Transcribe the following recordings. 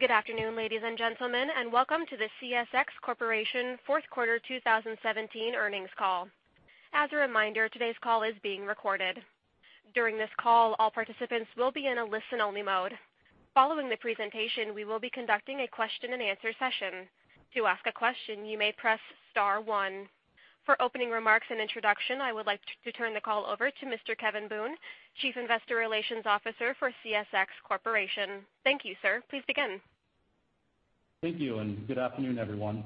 Good afternoon, ladies and gentlemen, and welcome to the CSX Corporation Fourth Quarter 2017 Earnings Call. As a reminder, today's call is being recorded. During this call, all participants will be in a listen-only mode. Following the presentation, we will be conducting a question-and-answer session. To ask a question, you may press star one. For opening remarks and introduction, I would like to turn the call over to Mr. Kevin Boone, Chief Investor Relations Officer for CSX Corporation. Thank you, sir. Please begin. Thank you, and good afternoon, everyone.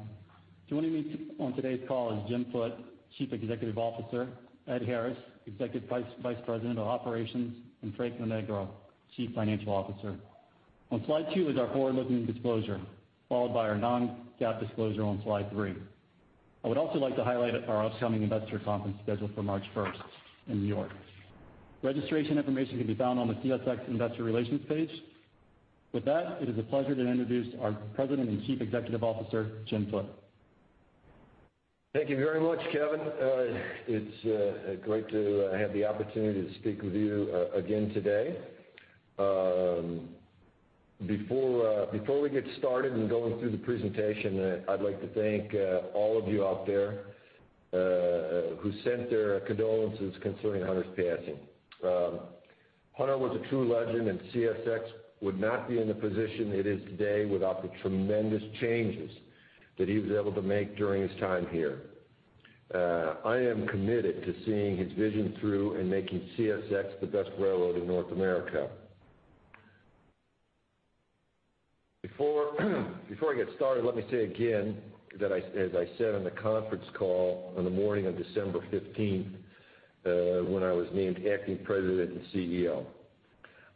Joining me on today's call is Jim Foote, Chief Executive Officer; Ed Harris, Executive Vice President of Operations; and Frank Lonegro, Chief Financial Officer. On slide two is our forward-looking disclosure, followed by our non-GAAP disclosure on slide three. I would also like to highlight our upcoming investor conference scheduled for March 1st in New York. Registration information can be found on the CSX Investor Relations page. With that, it is a pleasure to introduce our President and Chief Executive Officer, Jim Foote. Thank you very much, Kevin. It's great to have the opportunity to speak with you again today. Before we get started and go through the presentation, I'd like to thank all of you out there who sent their condolences concerning Hunter's passing. Hunter was a true legend, and CSX would not be in the position it is today without the tremendous changes that he was able to make during his time here. I am committed to seeing his vision through and making CSX the best railroad in North America. Before I get started, let me say again that, as I said on the conference call on the morning of December 15th when I was named Acting President and CEO,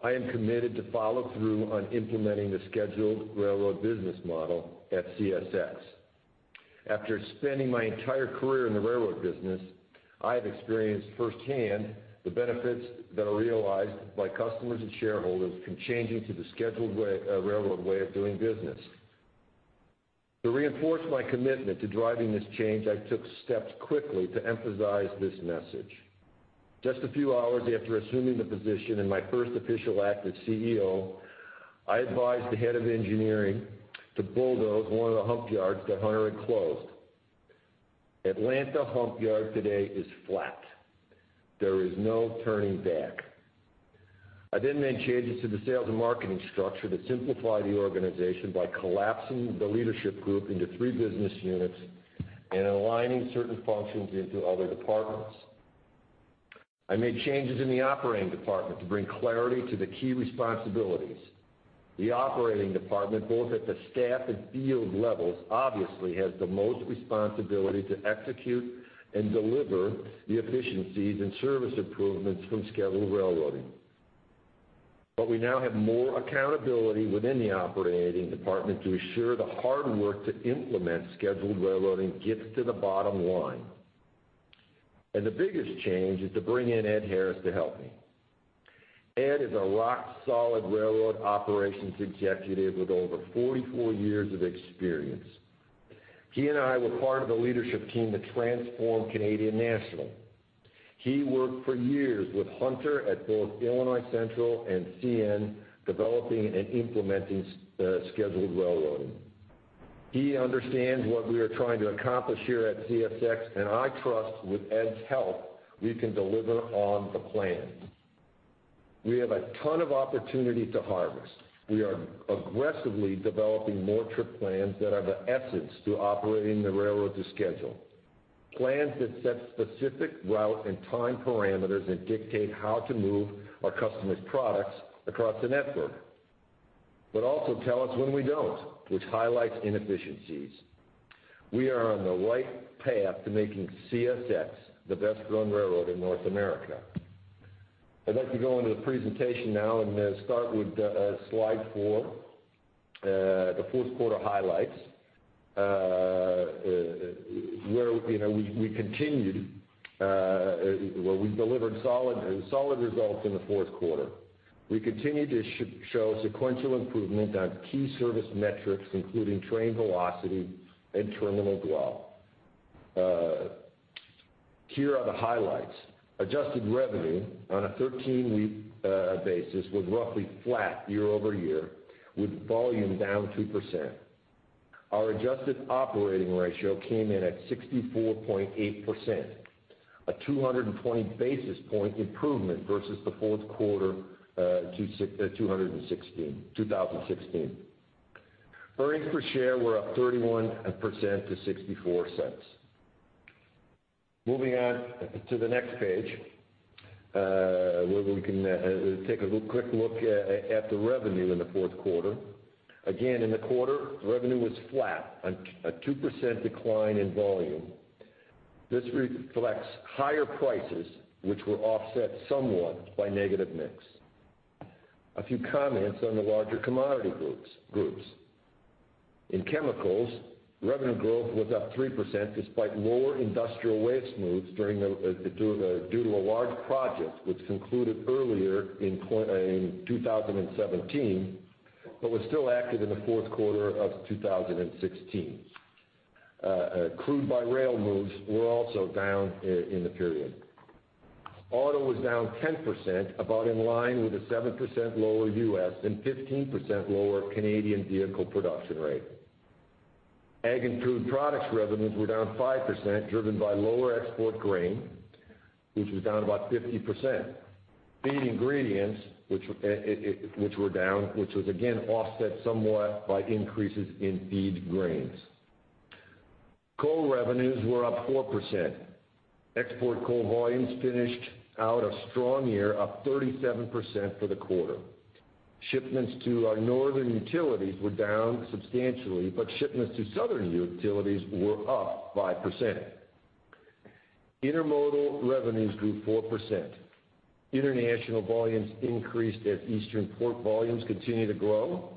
I am committed to follow through on implementing the scheduled railroad business model at CSX. After spending my entire career in the railroad business, I have experienced firsthand the benefits that are realized by customers and shareholders from changing to the scheduled railroad way of doing business. To reinforce my commitment to driving this change, I took steps quickly to emphasize this message. Just a few hours after assuming the position, and my first official act as CEO, I advised the head of engineering to bulldoze one of the hump yards that Hunter had closed. Atlanta Hump Yard today is flat. There is no turning back. I then made changes to the sales and marketing structure to simplify the organization by collapsing the leadership group into three business units and aligning certain functions into other departments. I made changes in the operating department to bring clarity to the key responsibilities. The operating department, both at the staff and field levels, obviously has the most responsibility to execute and deliver the efficiencies and service improvements from scheduled railroading. We now have more accountability within the operating department to ensure the hard work to implement scheduled railroading gets to the bottom line. The biggest change is to bring in Ed Harris to help me. Ed is a rock-solid railroad operations executive with over 44 years of experience. He and I were part of the leadership team that transformed Canadian National. He worked for years with Hunter at both Illinois Central and CN, developing and implementing scheduled railroading. He understands what we are trying to accomplish here at CSX, and I trust with Ed's help we can deliver on the plan. We have a ton of opportunity to harvest. We are aggressively developing more trip plans that are the essence to operating the railroad to schedule. Plans that set specific route and time parameters and dictate how to move our customers' products across the network, but also tell us when we don't, which highlights inefficiencies. We are on the right path to making CSX the best run railroad in North America. I'd like to go into the presentation now and start with slide four, the fourth quarter highlights, where we continued where we delivered solid results in the fourth quarter. We continued to show sequential improvement on key service metrics, including train velocity and terminal dwell. Here are the highlights. Adjusted revenue on a 13-week basis was roughly flat year-over-year, with volume down 2%. Our adjusted operating ratio came in at 64.8%, a 220 basis point improvement versus the fourth quarter to 2016. Earnings per share were up 31% to $0.64. Moving on to the next page, where we can take a quick look at the revenue in the fourth quarter. Again, in the quarter, revenue was flat, a 2% decline in volume. This reflects higher prices, which were offset somewhat by negative mix. A few comments on the larger commodity groups. In chemicals, revenue growth was up 3% despite lower industrial waste moves due to a large project which concluded earlier in 2017, but was still active in the fourth quarter of 2016. Crude by rail moves were also down in the period. Auto was down 10%, about in line with a 7% lower U.S. and 15% lower Canadian vehicle production rate. Ag and food products revenues were down 5%, driven by lower export grain, which was down about 50%. Feed ingredients, which were down, which was again offset somewhat by increases in feed grains. Coal revenues were up 4%. Export coal volumes finished out a strong year, up 37% for the quarter. Shipments to our northern utilities were down substantially, but shipments to southern utilities were up 5%. Intermodal revenues grew 4%. International volumes increased as eastern port volumes continued to grow.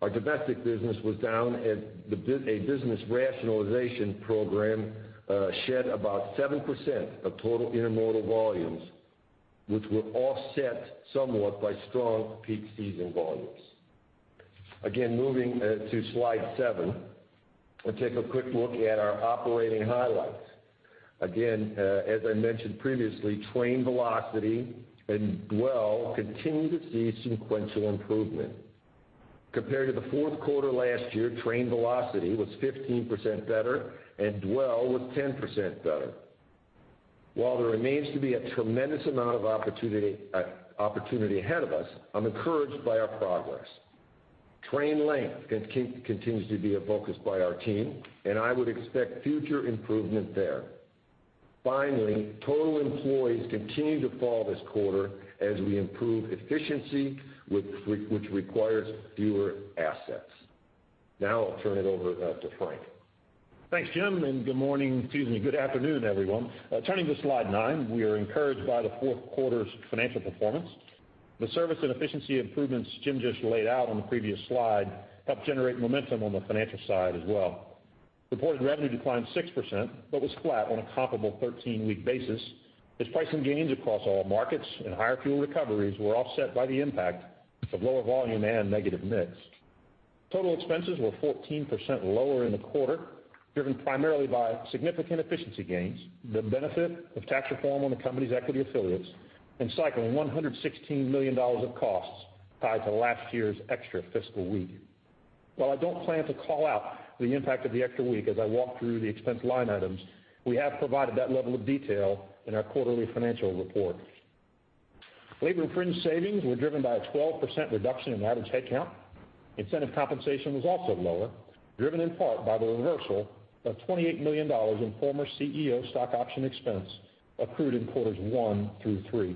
Our domestic business was down as a business rationalization program shed about 7% of total intermodal volumes, which were offset somewhat by strong peak season volumes. Again, moving to slide seven, let's take a quick look at our operating highlights. Again, as I mentioned previously, train velocity and dwell continue to see sequential improvement. Compared to the fourth quarter last year, train velocity was 15% better, and dwell was 10% better. While there remains to be a tremendous amount of opportunity ahead of us, I'm encouraged by our progress. Train length continues to be a focus by our team, and I would expect future improvement there. Finally, total employees continue to fall this quarter as we improve efficiency, which requires fewer assets. Now I'll turn it over to Frank. Thanks, Jim. And good morning, excuse me, good afternoon, everyone. Turning to slide nine, we are encouraged by the fourth quarter's financial performance. The service and efficiency improvements Jim just laid out on the previous slide helped generate momentum on the financial side as well. Reported revenue declined 6%, but was flat on a comparable 13-week basis. It's price and gains across all markets and higher fuel recoveries were offset by the impact of lower volume and negative mix. Total expenses were 14% lower in the quarter, driven primarily by significant efficiency gains, the benefit of tax reform on the company's equity affiliates, and cycling $116 million of costs tied to last year's extra fiscal week. While I don't plan to call out the impact of the extra week as I walk through the expense line items, we have provided that level of detail in our quarterly financial report. Labor and fringe savings were driven by a 12% reduction in average headcount. Incentive compensation was also lower, driven in part by the reversal of $28 million in former CEO stock option expense accrued in quarters one through three.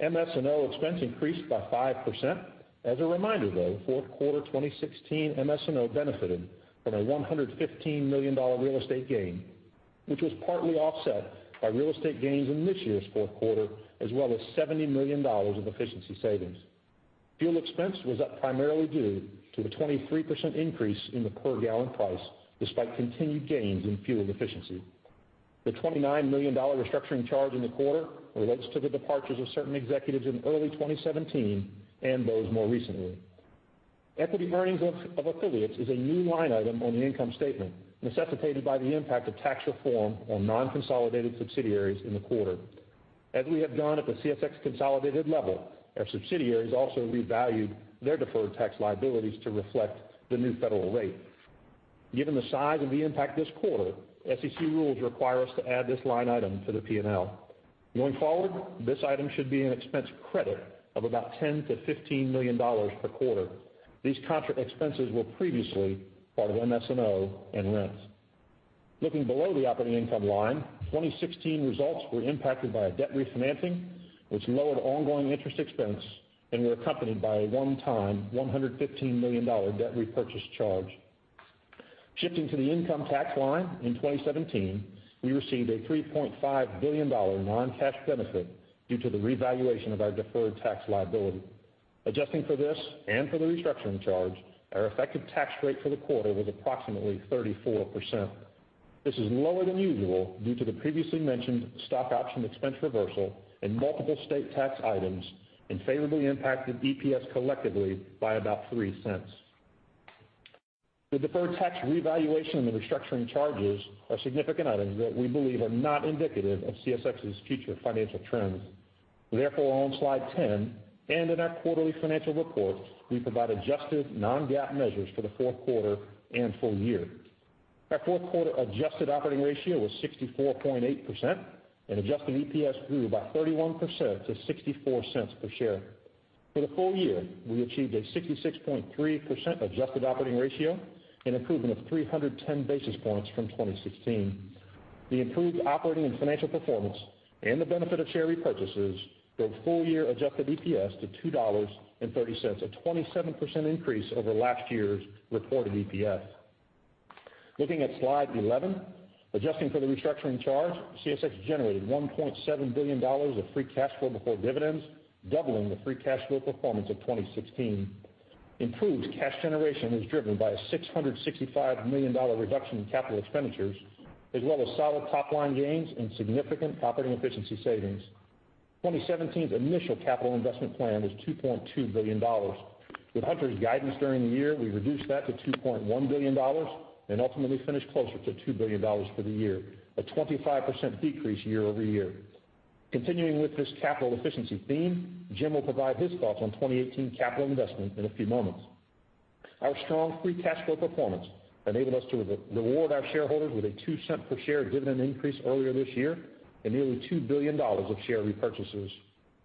MS&O expense increased by 5%. As a reminder, though, fourth quarter 2016 MS&O benefited from a $115 million real estate gain, which was partly offset by real estate gains in this year's fourth quarter, as well as $70 million of efficiency savings. Fuel expense was up primarily due to a 23% increase in the per gallon price, despite continued gains in fuel efficiency. The $29 million restructuring charge in the quarter relates to the departures of certain executives in early 2017 and those more recently. Equity earnings of affiliates is a new line item on the income statement, necessitated by the impact of tax reform on non-consolidated subsidiaries in the quarter. As we have done at the CSX consolidated level, our subsidiaries also revalued their deferred tax liabilities to reflect the new federal rate. Given the size of the impact this quarter, SEC rules require us to add this line item to the P&L. Going forward, this item should be an expense credit of about $10 million-$15 million per quarter. These contract expenses were previously part of MS&O and rents. Looking below the operating income line, 2016 results were impacted by a debt refinancing, which lowered ongoing interest expense and were accompanied by a one-time $115 million debt repurchase charge. Shifting to the income tax line, in 2017, we received a $3.5 billion non-cash benefit due to the revaluation of our deferred tax liability. Adjusting for this and for the restructuring charge, our effective tax rate for the quarter was approximately 34%. This is lower than usual due to the previously mentioned stock option expense reversal and multiple state tax items and favorably impacted EPS collectively by about $0.03. The deferred tax revaluation and the restructuring charges are significant items that we believe are not indicative of CSX's future financial trends. Therefore, on slide 10 and in our quarterly financial report, we provide adjusted non-GAAP measures for the fourth quarter and full year. Our fourth quarter adjusted operating ratio was 64.8%, and adjusted EPS grew by 31% to $0.64 per share. For the full year, we achieved a 66.3% adjusted operating ratio and improvement of 310 basis points from 2016. The improved operating and financial performance and the benefit of share repurchases drove full-year adjusted EPS to $2.30, a 27% increase over last year's reported EPS. Looking at slide 11, adjusting for the restructuring charge, CSX generated $1.7 billion of free cash flow before dividends, doubling the free cash flow performance of 2016. Improved cash generation was driven by a $665 million reduction in capital expenditures, as well as solid top-line gains and significant operating efficiency savings. 2017's initial capital investment plan was $2.2 billion. With Hunter's guidance during the year, we reduced that to $2.1 billion and ultimately finished closer to $2 billion for the year, a 25% decrease year-over-year. Continuing with this capital efficiency theme, Jim will provide his thoughts on 2018 capital investment in a few moments. Our strong free cash flow performance enabled us to reward our shareholders with a $0.02 per share dividend increase earlier this year and nearly $2 billion of share repurchases.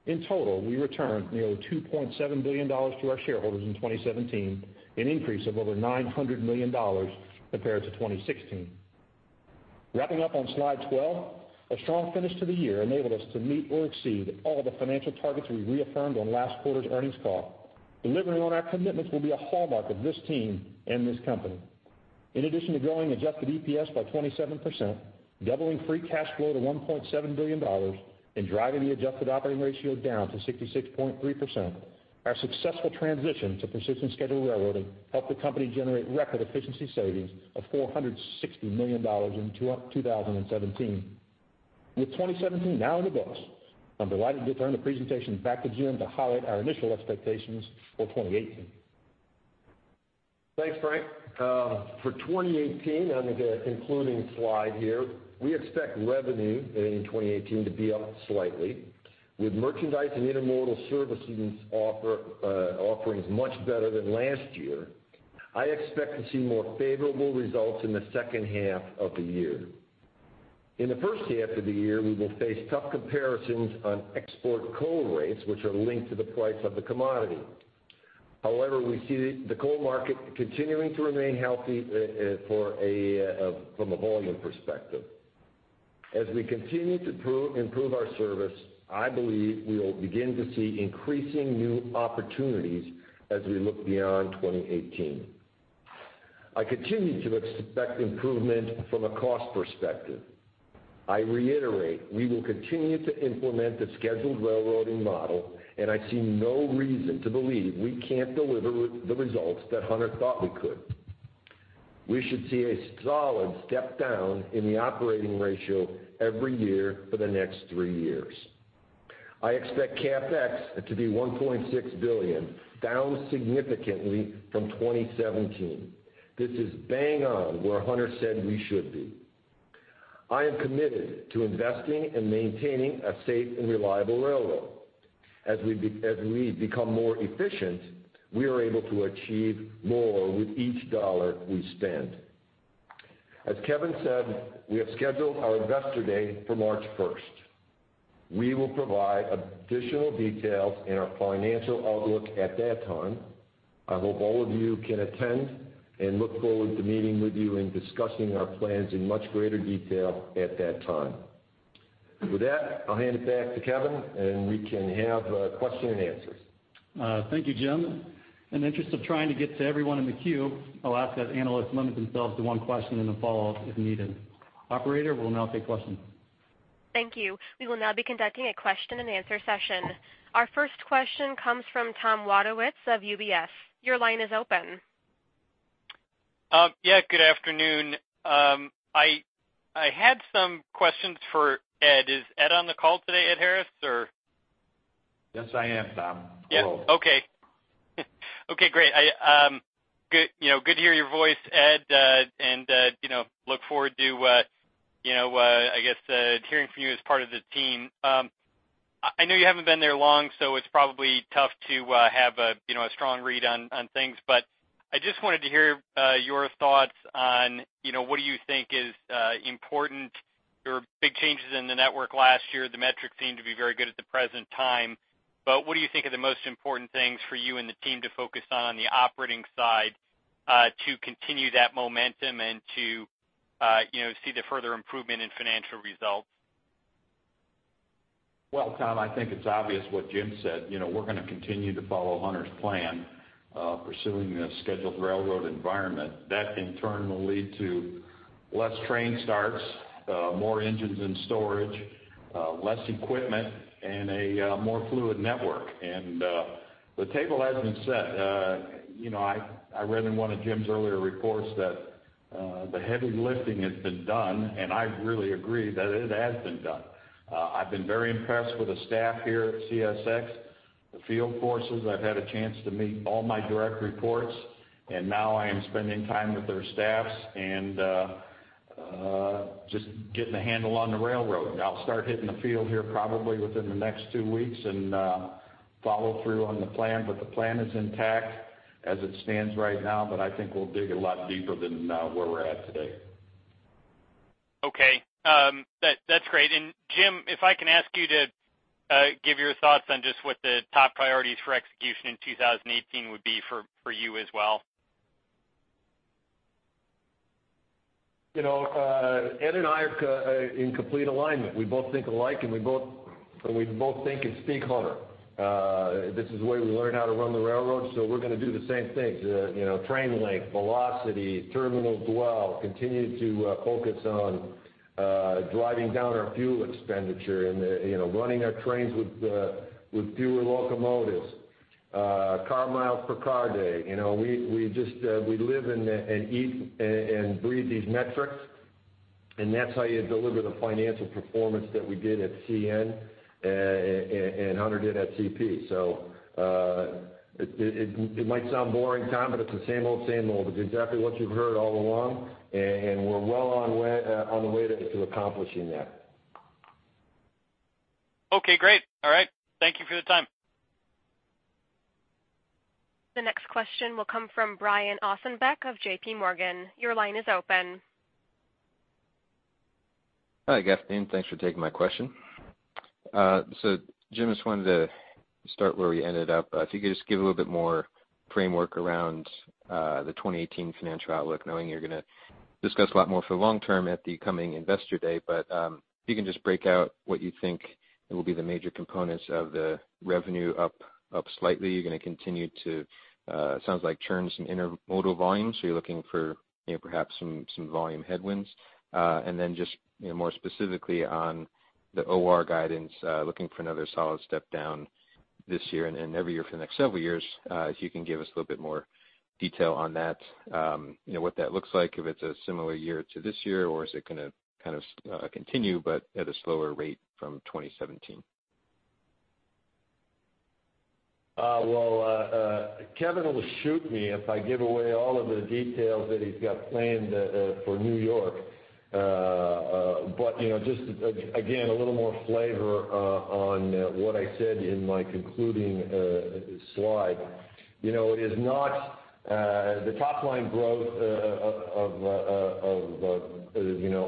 In total, we returned nearly $2.7 billion to our shareholders in 2017, an increase of over $900 million compared to 2016. Wrapping up on slide 12, a strong finish to the year enabled us to meet or exceed all the financial targets we reaffirmed on last quarter's earnings call. Delivering on our commitments will be a hallmark of this team and this company. In addition to growing adjusted EPS by 27%, doubling free cash flow to $1.7 billion, and driving the adjusted operating ratio down to 66.3%, our successful transition to precision scheduled railroading helped the company generate record efficiency savings of $460 million in 2017. With 2017 now in the books, I'm delighted to turn the presentation back to Jim to highlight our initial expectations for 2018. Thanks, Frank. For 2018, on the concluding slide here, we expect revenue in 2018 to be up slightly. With merchandise and intermodal services offerings much better than last year, I expect to see more favorable results in the second half of the year. In the first half of the year, we will face tough comparisons on export coal rates, which are linked to the price of the commodity. However, we see the coal market continuing to remain healthy from a volume perspective. As we continue to improve our service, I believe we will begin to see increasing new opportunities as we look beyond 2018. I continue to expect improvement from a cost perspective. I reiterate, we will continue to implement the scheduled railroading model, and I see no reason to believe we can't deliver the results that Hunter thought we could. We should see a solid step down in the operating ratio every year for the next three years. I expect CapEx to be $1.6 billion, down significantly from 2017. This is bang on where Hunter said we should be. I am committed to investing and maintaining a safe and reliable railroad. As we become more efficient, we are able to achieve more with each dollar we spend. As Kevin said, we have scheduled our Investor Day for March 1st. We will provide additional details in our financial outlook at that time. I hope all of you can attend and look forward to meeting with you and discussing our plans in much greater detail at that time. With that, I'll hand it back to Kevin, and we can have questions and answers. Thank you, Jim. In the interest of trying to get to everyone in the queue, I'll ask that analysts limit themselves to one question and then follow up if needed. Operator, we'll now take questions. Thank you. We will now be conducting a question and answer session. Our first question comes from Tom Wadewitz of UBS. Your line is open. Yeah, good afternoon. I had some questions for Ed. Is Ed on the call today, Ed Harris, or? Yes, I am, Tom. Hello. Yeah, okay. Okay, great. Good to hear your voice, Ed, and look forward to, I guess, hearing from you as part of the team. I know you haven't been there long, so it's probably tough to have a strong read on things, but I just wanted to hear your thoughts on what do you think is important. There were big changes in the network last year. The metrics seem to be very good at the present time. But what do you think are the most important things for you and the team to focus on the operating side to continue that momentum and to see the further improvement in financial results? Well, Tom, I think it's obvious what Jim said. We're going to continue to follow Hunter's plan, pursuing the scheduled railroad environment. That, in turn, will lead to less train starts, more engines in storage, less equipment, and a more fluid network. And the table has been set. I read in one of Jim's earlier reports that the heavy lifting has been done, and I really agree that it has been done. I've been very impressed with the staff here at CSX, the field forces. I've had a chance to meet all my direct reports, and now I am spending time with their staffs and just getting a handle on the railroad. I'll start hitting the field here probably within the next two weeks and follow through on the plan, but the plan is intact as it stands right now, but I think we'll dig a lot deeper than where we're at today. Okay. That's great. And Jim, if I can ask you to give your thoughts on just what the top priorities for execution in 2018 would be for you as well? You know, Ed and I are in complete alignment. We both think alike, and we both think and speak Hunter. This is the way we learn how to run the railroad, so we're going to do the same things. Train length, velocity, terminal dwell, continue to focus on driving down our fuel expenditure and running our trains with fewer locomotives, car miles per car day. We live and eat and breathe these metrics, and that's how you deliver the financial performance that we did at CN and Hunter did at CP. So it might sound boring, Tom, but it's the same old, same old. It's exactly what you've heard all along, and we're well on the way to accomplishing that. Okay, great. All right. Thank you for the time. The next question will come from Brian Ossenbeck of J.P. Morgan. Your line is open. Hi, guys. Thanks for taking my question. So, Jim, just wanted to start where we ended up. If you could just give a little bit more framework around the 2018 financial outlook, knowing you're going to discuss a lot more for the long term at the coming Investor Day, but if you can just break out what you think will be the major components of the revenue up slightly. You're going to continue to, it sounds like, churn some intermodal volume, so you're looking for perhaps some volume headwinds. And then just more specifically on the OR guidance, looking for another solid step down this year and every year for the next several years, if you can give us a little bit more detail on that, what that looks like, if it's a similar year to this year, or is it going to kind of continue but at a slower rate from 2017? Well, Kevin will shoot me if I give away all of the details that he's got planned for New York. But just, again, a little more flavor on what I said in my concluding slide. It is not the top-line growth of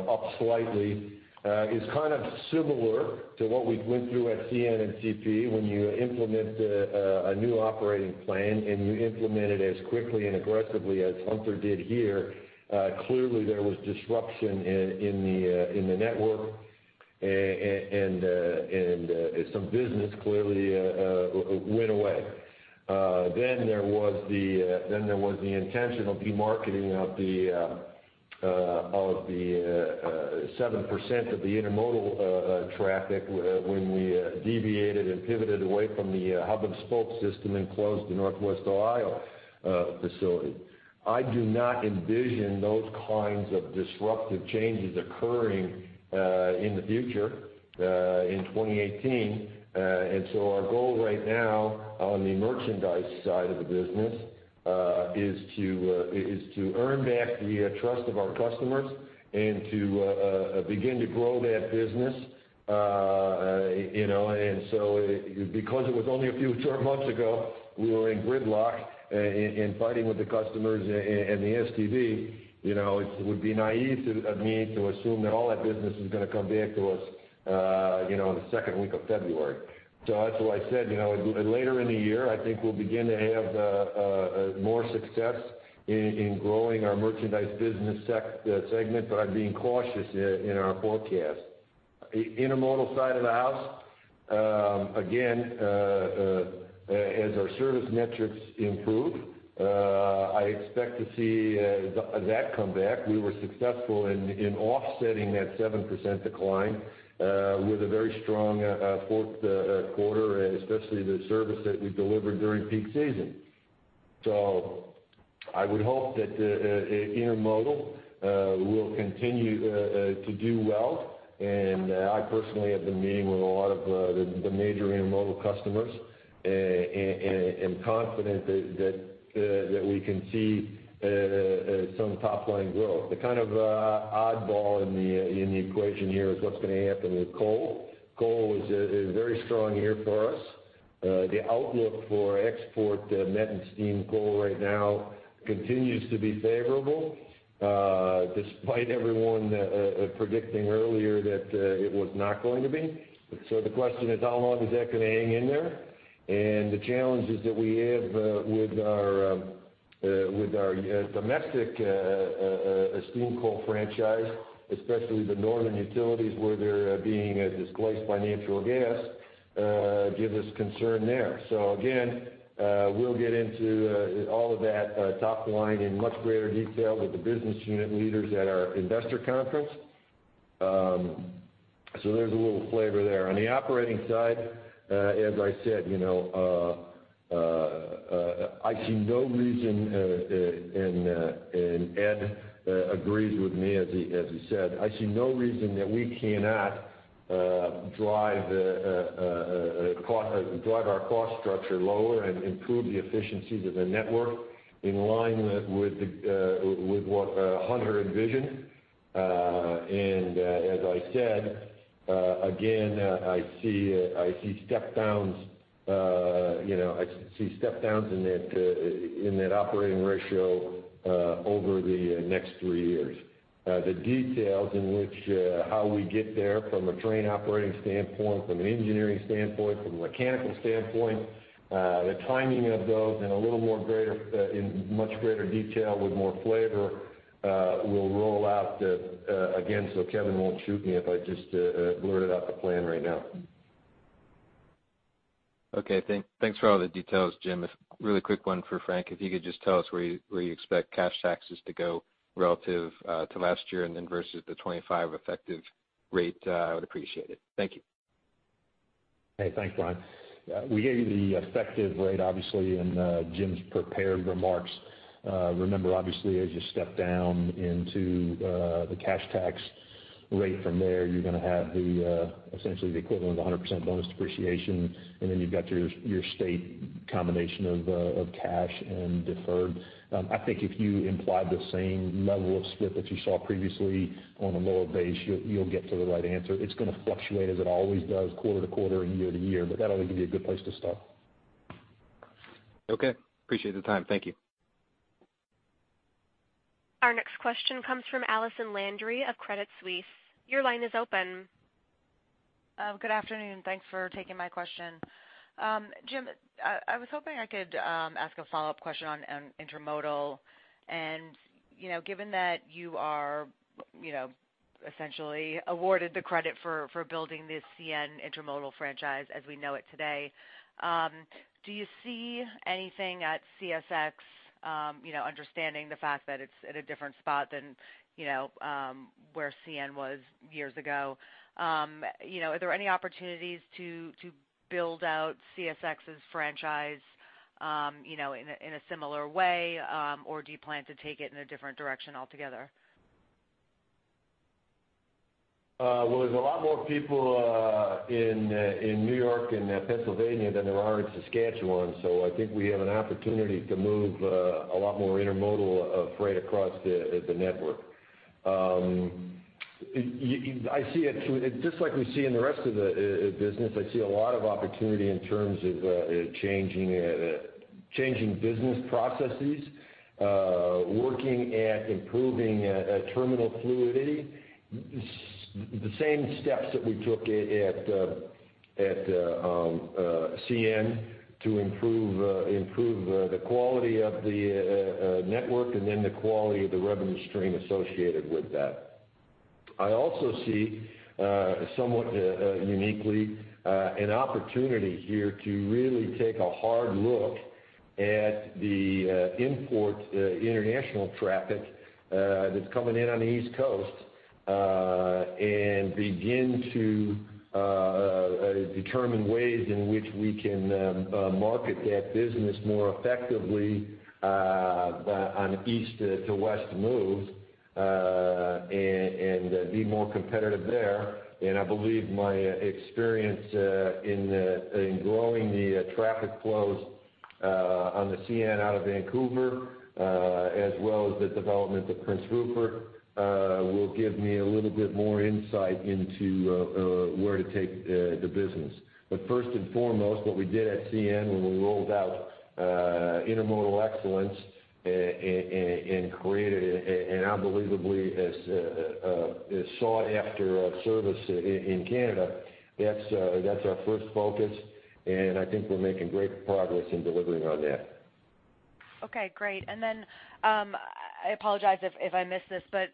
up slightly is kind of similar to what we went through at CN and CP when you implement a new operating plan and you implement it as quickly and aggressively as Hunter did here. Clearly, there was disruption in the network, and some business clearly went away. Then there was the intentional demarketing of the 7% of the intermodal traffic when we deviated and pivoted away from the hub-and-spoke system and closed the Northwest Ohio facility. I do not envision those kinds of disruptive changes occurring in the future in 2018, and so our goal right now on the merchandise side of the business is to earn back the trust of our customers and to begin to grow that business. So because it was only a few short months ago, we were in gridlock and fighting with the customers and the STB, it would be naive of me to assume that all that business is going to come back to us in the second week of February. So that's why I said later in the year, I think we'll begin to have more success in growing our merchandise business segment, but I'm being cautious in our forecast. Intermodal side of the house, again, as our service metrics improve, I expect to see that come back. We were successful in offsetting that 7% decline with a very strong fourth quarter, especially the service that we delivered during peak season. So I would hope that intermodal will continue to do well, and I personally have been meeting with a lot of the major intermodal customers, and confident that we can see some top-line growth. The kind of oddball in the equation here is what's going to happen with coal. Coal is a very strong year for us. The outlook for export met and steam coal right now continues to be favorable, despite everyone predicting earlier that it was not going to be. So the question is, how long is that going to hang in there? And the challenges that we have with our domestic steam coal franchise, especially the northern utilities where they're being displaced by natural gas, give us concern there. So again, we'll get into all of that top line in much greater detail with the business unit leaders at our investor conference. So there's a little flavor there. On the operating side, as I said, I see no reason, and Ed agrees with me, as he said. I see no reason that we cannot drive our cost structure lower and improve the efficiencies of the network in line with what Hunter envisioned. And as I said, again, I see step downs. I see step downs in that operating ratio over the next three years. The details in which how we get there from a train operating standpoint, from an engineering standpoint, from a mechanical standpoint, the timing of those, and a little more greater in much greater detail with more flavor will roll out again. So Kevin won't shoot me if I just blurted out the plan right now. Okay. Thanks for all the details, Jim. Really quick one for Frank. If you could just tell us where you expect cash taxes to go relative to last year and then versus the 2025 effective rate, I would appreciate it. Thank you. Hey, thanks, Brian. We gave you the effective rate, obviously, in Jim's prepared remarks. Remember, obviously, as you step down into the cash tax rate from there, you're going to have essentially the equivalent of 100% bonus depreciation, and then you've got your state combination of cash and deferred. I think if you imply the same level of slip that you saw previously on a lower base, you'll get to the right answer. It's going to fluctuate as it always does, quarter to quarter and year to year, but that'll give you a good place to start. Okay. Appreciate the time. Thank you. Our next question comes from Allison Landry of Credit Suisse. Your line is open. Good afternoon. Thanks for taking my question. Jim, I was hoping I could ask a follow-up question on intermodal. Given that you are essentially awarded the credit for building this CN intermodal franchise as we know it today, do you see anything at CSX understanding the fact that it's at a different spot than where CN was years ago? Are there any opportunities to build out CSX's franchise in a similar way, or do you plan to take it in a different direction altogether? Well, there's a lot more people in New York and Pennsylvania than there are in Saskatchewan, so I think we have an opportunity to move a lot more intermodal freight across the network. I see it just like we see in the rest of the business. I see a lot of opportunity in terms of changing business processes, working at improving terminal fluidity, the same steps that we took at CN to improve the quality of the network and then the quality of the revenue stream associated with that. I also see, somewhat uniquely, an opportunity here to really take a hard look at the import international traffic that's coming in on the East Coast and begin to determine ways in which we can market that business more effectively on east to west moves and be more competitive there. I believe my experience in growing the traffic flows on the CN out of Vancouver, as well as the development of Prince Rupert, will give me a little bit more insight into where to take the business. But first and foremost, what we did at CN when we rolled out intermodal excellence and created an unbelievably sought-after service in Canada, that's our first focus, and I think we're making great progress in delivering on that. Okay. Great. And then I apologize if I missed this, but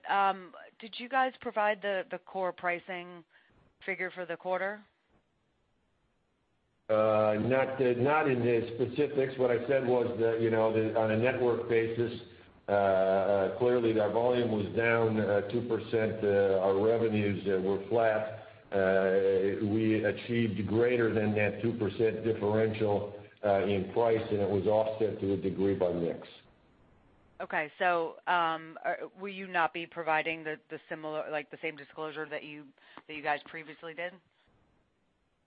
did you guys provide the core pricing figure for the quarter? Not in the specifics. What I said was that on a network basis, clearly our volume was down 2%, our revenues were flat. We achieved greater than that 2% differential in price, and it was offset to a degree by mix. Okay. So will you not be providing the same disclosure that you guys previously did?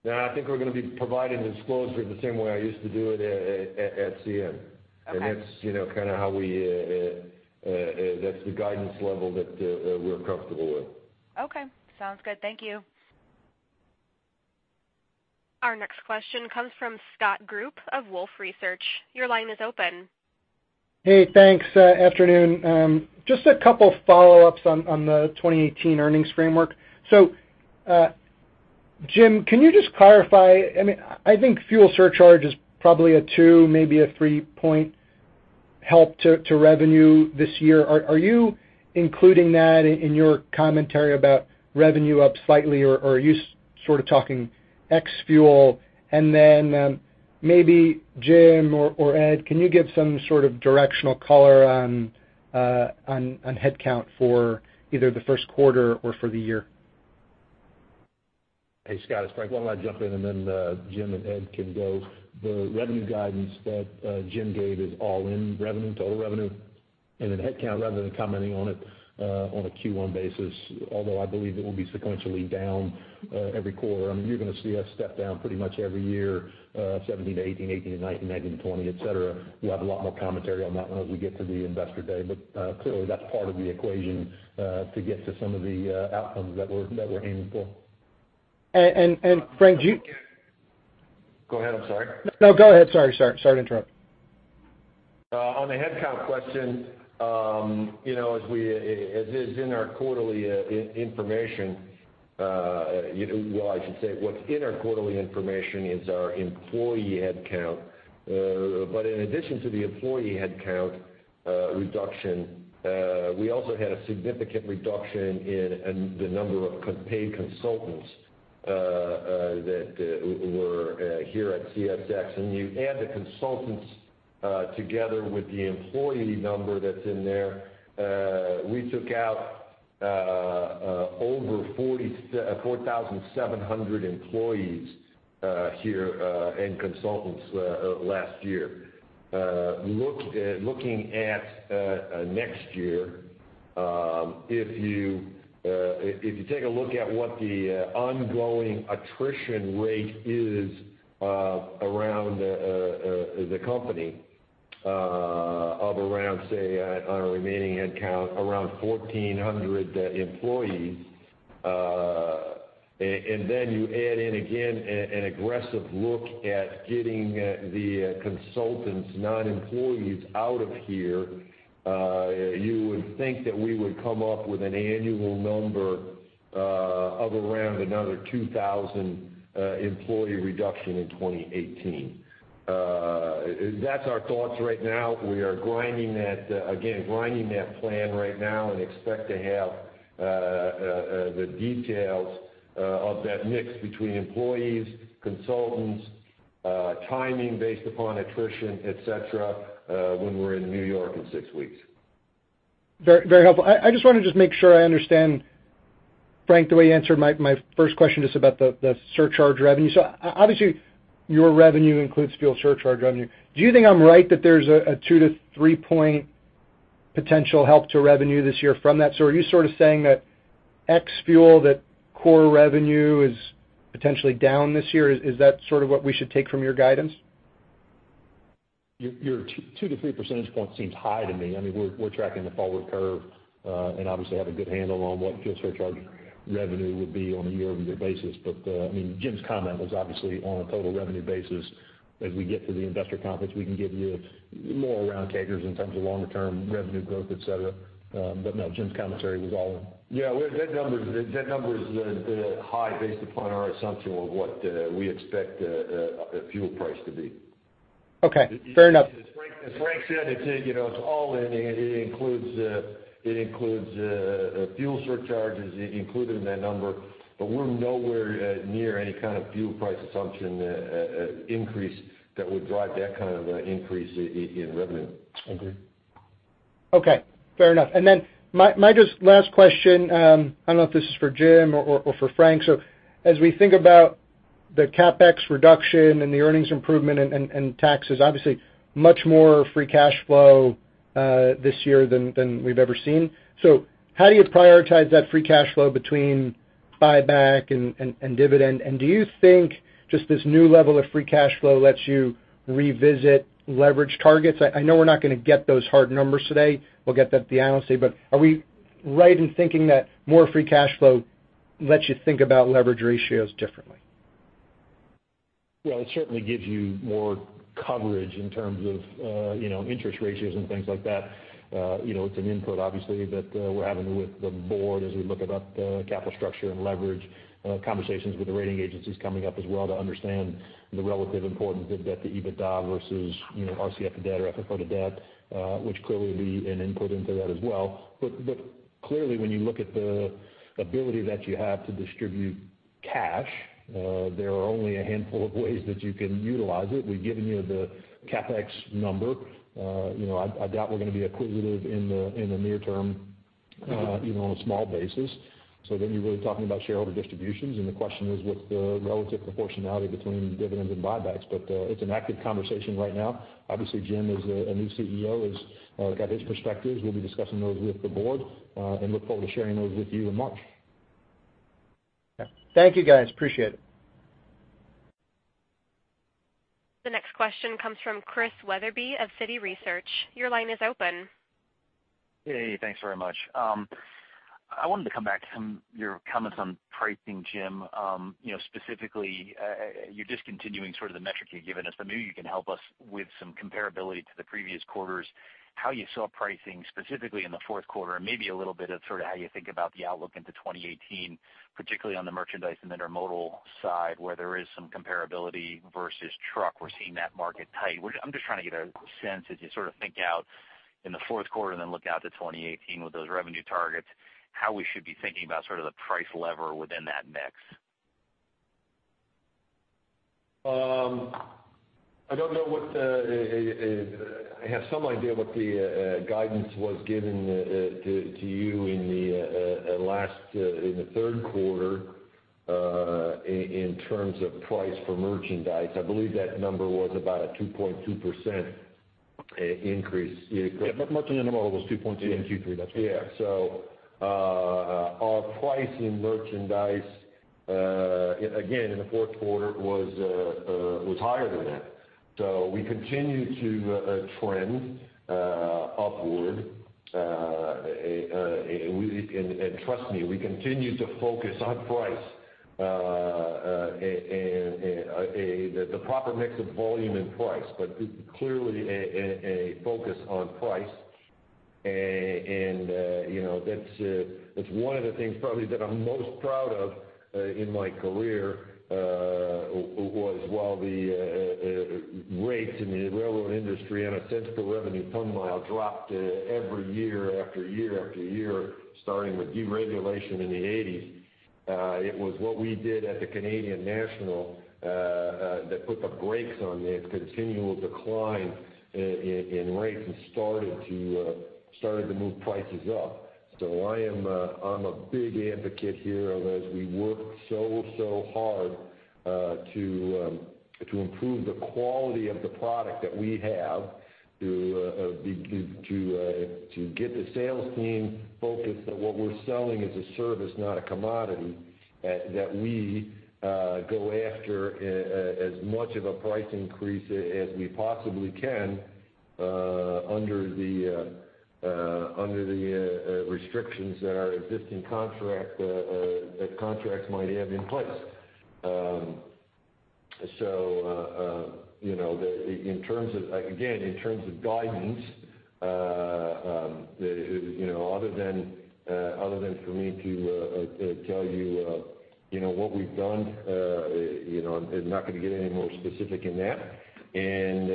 No, I think we're going to be providing the disclosure the same way I used to do it at CN. And that's kind of how we, that's the guidance level that we're comfortable with. Okay. Sounds good. Thank you. Our next question comes from Scott Group of Wolfe Research. Your line is open. Hey, thanks. Afternoon. Just a couple of follow-ups on the 2018 earnings framework. So Jim, can you just clarify? I mean, I think fuel surcharge is probably a 2-point, maybe a 3-point help to revenue this year. Are you including that in your commentary about revenue up slightly, or are you sort of talking ex-fuel? And then maybe Jim or Ed, can you give some sort of directional color on headcount for either the first quarter or for the year? Hey, Scott and Frank, why don't I jump in, and then Jim and Ed can go. The revenue guidance that Jim gave is all in revenue, total revenue, and then headcount rather than commenting on it on a Q1 basis, although I believe it will be sequentially down every quarter. I mean, you're going to see us step down pretty much every year, 2017-2018, 2018-2019, 2019-2020, etc. We'll have a lot more commentary on that one as we get to the Investor Day. But clearly, that's part of the equation to get to some of the outcomes that we're aiming for. And Frank, do you? Go ahead. I'm sorry. No, go ahead. Sorry. Sorry to interrupt. On the headcount question, as it is in our quarterly information, well, I should say what's in our quarterly information is our employee headcount. But in addition to the employee headcount reduction, we also had a significant reduction in the number of paid consultants that were here at CSX. And you add the consultants together with the employee number that's in there, we took out over 4,700 employees here and consultants last year. Looking at next year, if you take a look at what the ongoing attrition rate is around the company of around, say, on our remaining headcount, around 1,400 employees, and then you add in again an aggressive look at getting the consultants, non-employees, out of here, you would think that we would come up with an annual number of around another 2,000 employee reduction in 2018. That's our thoughts right now. We are grinding that, again, grinding that plan right now and expect to have the details of that mix between employees, consultants, timing based upon attrition, etc., when we're in New York in six weeks. Very helpful. I just want to just make sure I understand, Frank, the way you answered my first question just about the surcharge revenue. So obviously, your revenue includes fuel surcharge revenue. Do you think I'm right that there's a 2-point-3-point potential help to revenue this year from that? So are you sort of saying that ex-fuel, that core revenue is potentially down this year? Is that sort of what we should take from your guidance? Your 2 percentage points-3 percentage points seem high to me. I mean, we're tracking the forward curve and obviously have a good handle on what fuel surcharge revenue would be on a year-over-year basis. But I mean, Jim's comment was obviously on a total revenue basis. As we get to the investor conference, we can give you more round tables in terms of longer-term revenue growth, etc. But no, Jim's commentary was all in. Yeah. That number is high based upon our assumption of what we expect fuel price to be. Okay. Fair enough. As Frank said, it's all in. It includes fuel surcharges included in that number, but we're nowhere near any kind of fuel price assumption increase that would drive that kind of increase in revenue. Agreed. Okay. Fair enough. And then my just last question, I don't know if this is for Jim or for Frank. So as we think about the CapEx reduction and the earnings improvement and taxes, obviously much more free cash flow this year than we've ever seen. So how do you prioritize that free cash flow between buyback and dividend? And do you think just this new level of free cash flow lets you revisit leverage targets? I know we're not going to get those hard numbers today. We'll get that at the analysis. But are we right in thinking that more free cash flow lets you think about leverage ratios differently? Well, it certainly gives you more coverage in terms of interest ratios and things like that. It's an input, obviously, that we're having with the board as we look at the capital structure and leverage conversations with the rating agencies coming up as well to understand the relative importance of debt to EBITDA versus RCF to debt or FFO to debt, which clearly would be an input into that as well. But clearly, when you look at the ability that you have to distribute cash, there are only a handful of ways that you can utilize it. We've given you the CapEx number. I doubt we're going to be acquisitive in the near term, even on a small basis. So then you're really talking about shareholder distributions, and the question is what's the relative proportionality between dividends and buybacks. But it's an active conversation right now. Obviously, Jim is a new CEO, has got his perspectives. We'll be discussing those with the board and look forward to sharing those with you in March. Okay. Thank you, guys. Appreciate it. The next question comes from Christian Wetherbee of Citi Research. Your line is open. Hey. Thanks very much. I wanted to come back to some of your comments on pricing, Jim. Specifically, you're discontinuing sort of the metric you've given us, but maybe you can help us with some comparability to the previous quarters, how you saw pricing specifically in the fourth quarter, and maybe a little bit of sort of how you think about the outlook into 2018, particularly on the merchandise and intermodal side, where there is some comparability versus truck. We're seeing that market tight. I'm just trying to get a sense as you sort of think out in the fourth quarter and then look out to 2018 with those revenue targets, how we should be thinking about sort of the price lever within that mix? I don't know what the—I have some idea what the guidance was given to you in the last, in the third quarter in terms of price for merchandise. I believe that number was about a 2.2% increase. Yeah. Merchandise and Intermodal was 2.2 and Q3. That's correct. Yeah. So our price in merchandise, again, in the fourth quarter was higher than that. So we continue to trend upward. And trust me, we continue to focus on price and the proper mix of volume and price, but clearly a focus on price. And that's one of the things probably that I'm most proud of in my career was while the rates in the railroad industry and a sense for revenue per mile dropped every year after year after year, starting with deregulation in the 1980s, it was what we did at the Canadian National that put the brakes on the continual decline in rates and started to move prices up. So I'm a big advocate here of, as we work so, so hard to improve the quality of the product that we have, to get the sales team focused that what we're selling is a service, not a commodity, that we go after as much of a price increase as we possibly can under the restrictions that our existing contract, that contracts might have in place. So in terms of, again, in terms of guidance, other than for me to tell you what we've done, I'm not going to get any more specific in that. And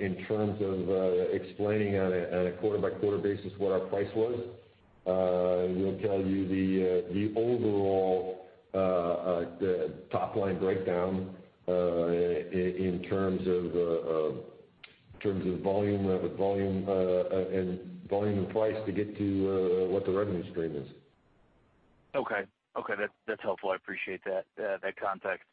in terms of explaining on a quarter-by-quarter basis what our price was, we'll tell you the overall top-line breakdown in terms of volume and volume and price to get to what the revenue stream is. Okay. Okay. That's helpful. I appreciate that context.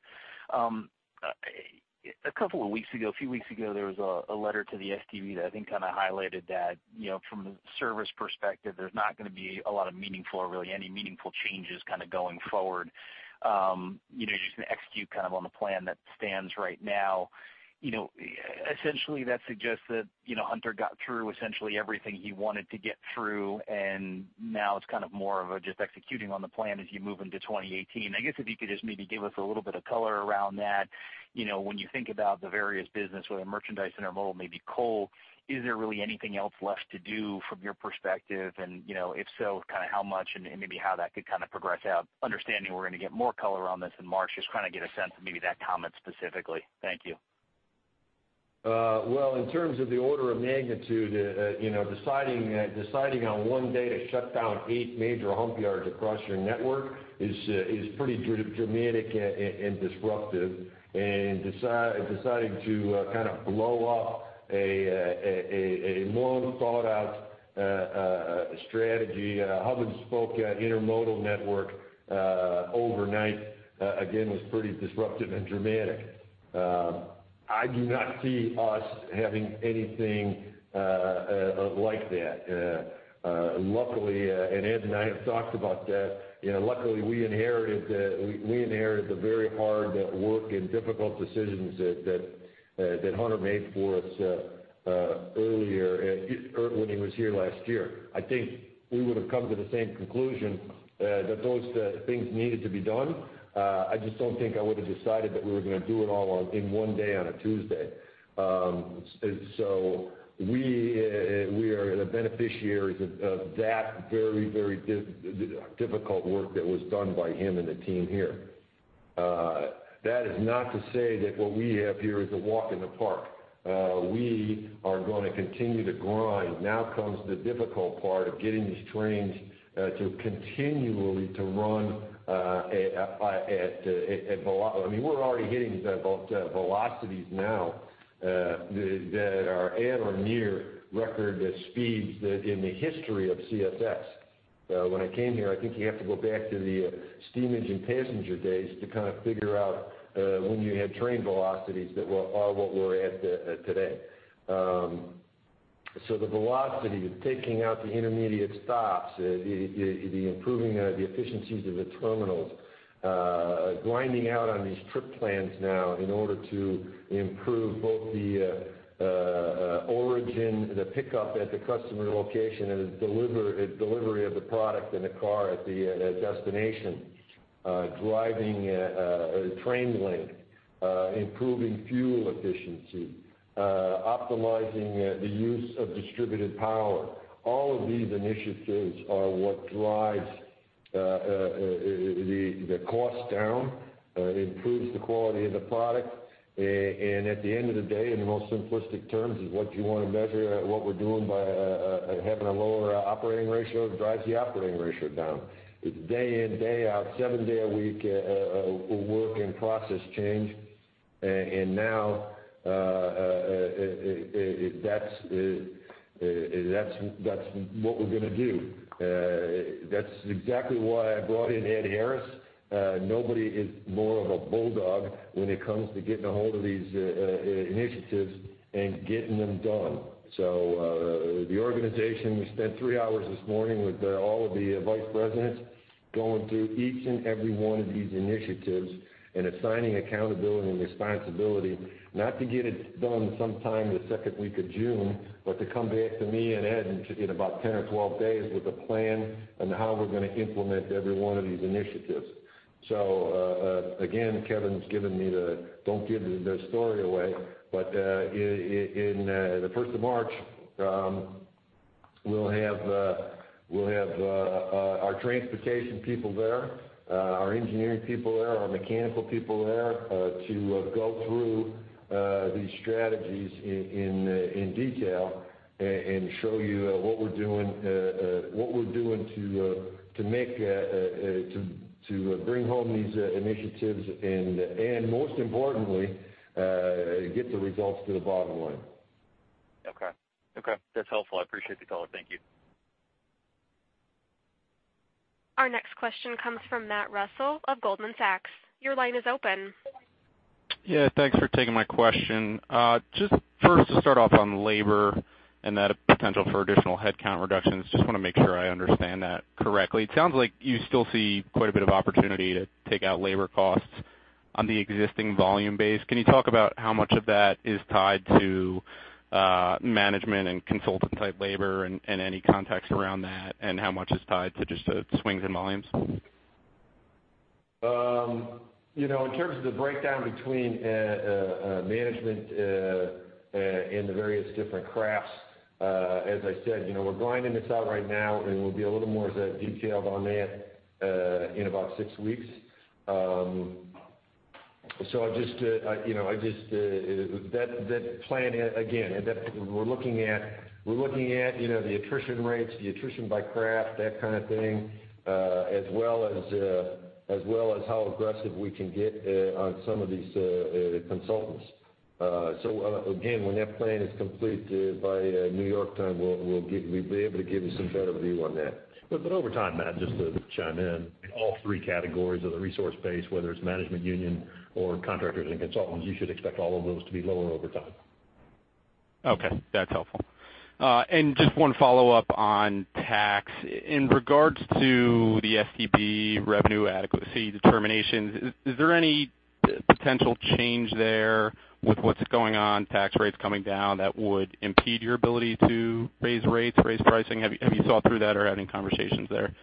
A couple of weeks ago, a few weeks ago, there was a letter to the STB that I think kind of highlighted that from the service perspective, there's not going to be a lot of meaningful or really any meaningful changes kind of going forward. You're just going to execute kind of on the plan that stands right now. Essentially, that suggests that Hunter got through essentially everything he wanted to get through, and now it's kind of more of a just executing on the plan as you move into 2018. I guess if you could just maybe give us a little bit of color around that. When you think about the various business with a merchandise intermodal, maybe coal, is there really anything else left to do from your perspective? If so, kind of how much and maybe how that could kind of progress out, understanding we're going to get more color on this in March, just kind of get a sense of maybe that comment specifically? Thank you. Well, in terms of the order of magnitude, deciding on one day to shut down eight major hump yards across your network is pretty dramatic and disruptive. And deciding to kind of blow up a long-thought-out strategy, hub-and-spoke intermodal network overnight, again, was pretty disruptive and dramatic. I do not see us having anything like that. Luckily, and Ed and I have talked about that. Luckily, we inherited the very hard work and difficult decisions that Hunter made for us earlier when he was here last year. I think we would have come to the same conclusion that those things needed to be done. I just don't think I would have decided that we were going to do it all in one day on a Tuesday. So we are the beneficiaries of that very, very difficult work that was done by him and the team here. That is not to say that what we have here is a walk in the park. We are going to continue to grind. Now comes the difficult part of getting these trains to continually run at—I mean, we're already hitting velocities now that are at or near record speeds in the history of CSX. When I came here, I think you have to go back to the steam engine passenger days to kind of figure out when you had train velocities that are what we're at today. So the velocity of taking out the intermediate stops, the improving of the efficiencies of the terminals, grinding out on these trip plans now in order to improve both the origin, the pickup at the customer location, and the delivery of the product and the car at the destination, driving train length, improving fuel efficiency, optimizing the use of distributed power. All of these initiatives are what drives the cost down, improves the quality of the product. At the end of the day, in the most simplistic terms, what you want to measure, what we're doing by having a lower operating ratio, drives the operating ratio down. It's day in, day out, seven day a week work and process change. Now that's what we're going to do. That's exactly why I brought in Ed Harris. Nobody is more of a bulldog when it comes to getting a hold of these initiatives and getting them done. So the organization, we spent three hours this morning with all of the vice presidents going through each and every one of these initiatives and assigning accountability and responsibility, not to get it done sometime the second week of June, but to come back to me and Ed in about 10 days or 12 days with a plan on how we're going to implement every one of these initiatives. So again, Kevin's given me the. Don't give the story away. But in the first of March, we'll have our transportation people there, our engineering people there, our mechanical people there to go through these strategies in detail and show you what we're doing, what we're doing to make to bring home these initiatives and, most importantly, get the results to the bottom line. Okay. Okay. That's helpful. I appreciate the call. Thank you. Our next question comes from Matt Reustle of Goldman Sachs. Your line is open. Yeah. Thanks for taking my question. Just first to start off on labor and that potential for additional headcount reductions, just want to make sure I understand that correctly. It sounds like you still see quite a bit of opportunity to take out labor costs on the existing volume base. Can you talk about how much of that is tied to management and consultant-type labor and any context around that, and how much is tied to just swings in volumes? In terms of the breakdown between management and the various different crafts, as I said, we're grinding this out right now, and we'll be a little more detailed on that in about six weeks. So, just that plan, again, we're looking at the attrition rates, the attrition by craft, that kind of thing, as well as how aggressive we can get on some of these consultants. So again, when that plan is complete by New York time, we'll be able to give you some better view on that. But over time, Matt, just to chime in, all three categories of the resource base, whether it's management, union, or contractors and consultants, you should expect all of those to be lower over time. Okay. That's helpful. And just one follow-up on tax. In regards to the STB revenue adequacy determinations, is there any potential change there with what's going on, tax rates coming down, that would impede your ability to raise rates, raise pricing? Have you thought through that or had any conversations there?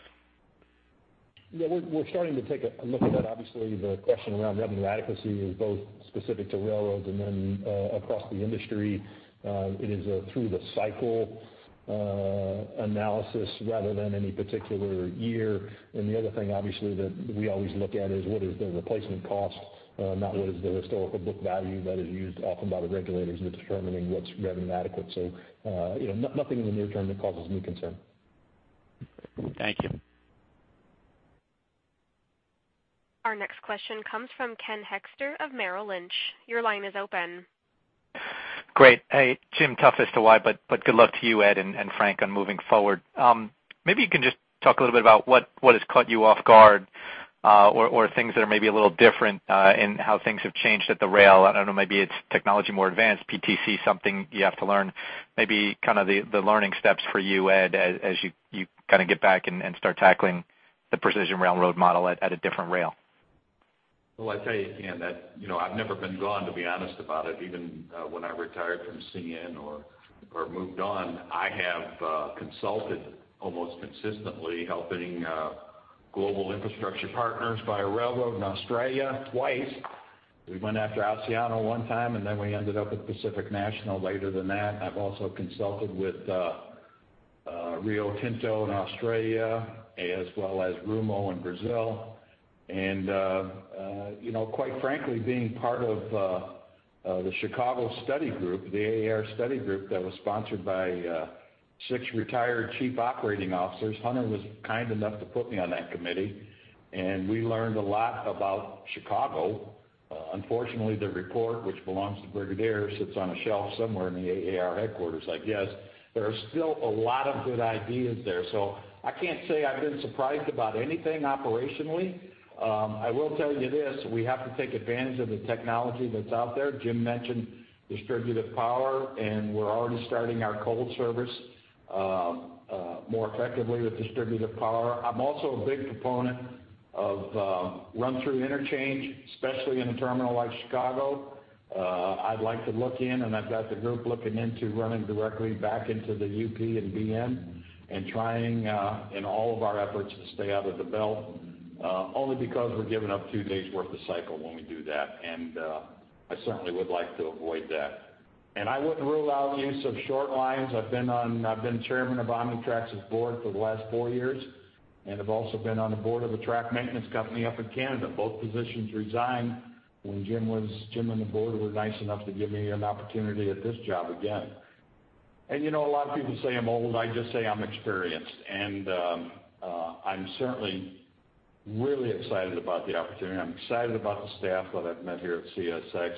Yeah. We're starting to take a look at that. Obviously, the question around revenue adequacy is both specific to railroads and then across the industry. It is through the cycle analysis rather than any particular year. The other thing, obviously, that we always look at is what is the replacement cost, not what is the historical book value that is used often by the regulators in determining what's revenue adequate. So nothing in the near term that causes me concern. Thank you. Our next question comes from Ken Hoexter of Merrill Lynch. Your line is open. Great. Hey, Jim Foote is the one, but good luck to you, Ed and Frank, on moving forward. Maybe you can just talk a little bit about what has caught you off guard or things that are maybe a little different in how things have changed at the rail. I don't know. Maybe it's technology more advanced, PTC, something you have to learn. Maybe kind of the learning steps for you, Ed, as you kind of get back and start tackling the precision railroad model at a different rail. Well, I'll tell you, Ken, that I've never been gone, to be honest about it. Even when I retired from CN or moved on, I have consulted almost consistently, helping Global Infrastructure Partners buy a railroad in Australia twice. We went after Asciano one time, and then we ended up with Pacific National later than that. I've also consulted with Rio Tinto in Australia as well as Rumo in Brazil. And quite frankly, being part of the Chicago study group, the AAR study group that was sponsored by six retired chief operating officers, Hunter was kind enough to put me on that committee. And we learned a lot about Chicago. Unfortunately, the report, which belongs to Brigadier, sits on a shelf somewhere in the AAR headquarters, I guess. There are still a lot of good ideas there. So I can't say I've been surprised about anything operationally. I will tell you this. We have to take advantage of the technology that's out there. Jim mentioned distributed power, and we're already starting our coal service more effectively with distributed power. I'm also a big proponent of run-through interchange, especially in a terminal like Chicago. I'd like to look in, and I've got the group looking into running directly back into the UP and BN and trying in all of our efforts to stay out of the belt only because we're giving up two days' worth of cycle when we do that. I certainly would like to avoid that. I wouldn't rule out use of short lines. I've been chairman of OmniTRAX's board for the last four years, and I've also been on the board of a track maintenance company up in Canada. Both positions resigned when Jim and the board were nice enough to give me an opportunity at this job again. A lot of people say I'm old. I just say I'm experienced. I'm certainly really excited about the opportunity. I'm excited about the staff that I've met here at CSX.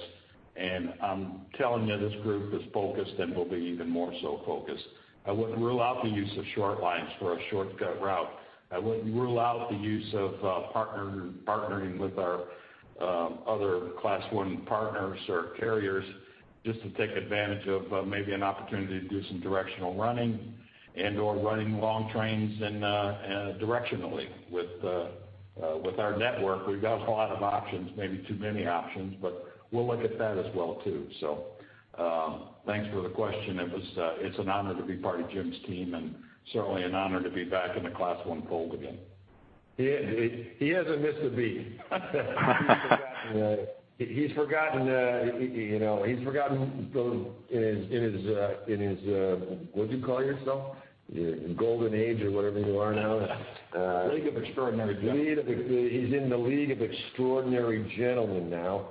I'm telling you, this group is focused and will be even more so focused. I wouldn't rule out the use of short lines for a shortcut route. I wouldn't rule out the use of partnering with our other Class I partners or carriers just to take advantage of maybe an opportunity to do some directional running and/or running long trains directionally with our network. We've got a whole lot of options, maybe too many options, but we'll look at that as well too. Thanks for the question. It's an honor to be part of Jim's team and certainly an honor to be back in the Class I fold again. He hasn't missed a beat. He's forgotten. He's forgotten. He's forgotten in his—what'd you call yourself? Golden age or whatever you are now. League of Extraordinary Gentlemen. He's in the League of Extraordinary Gentlemen now.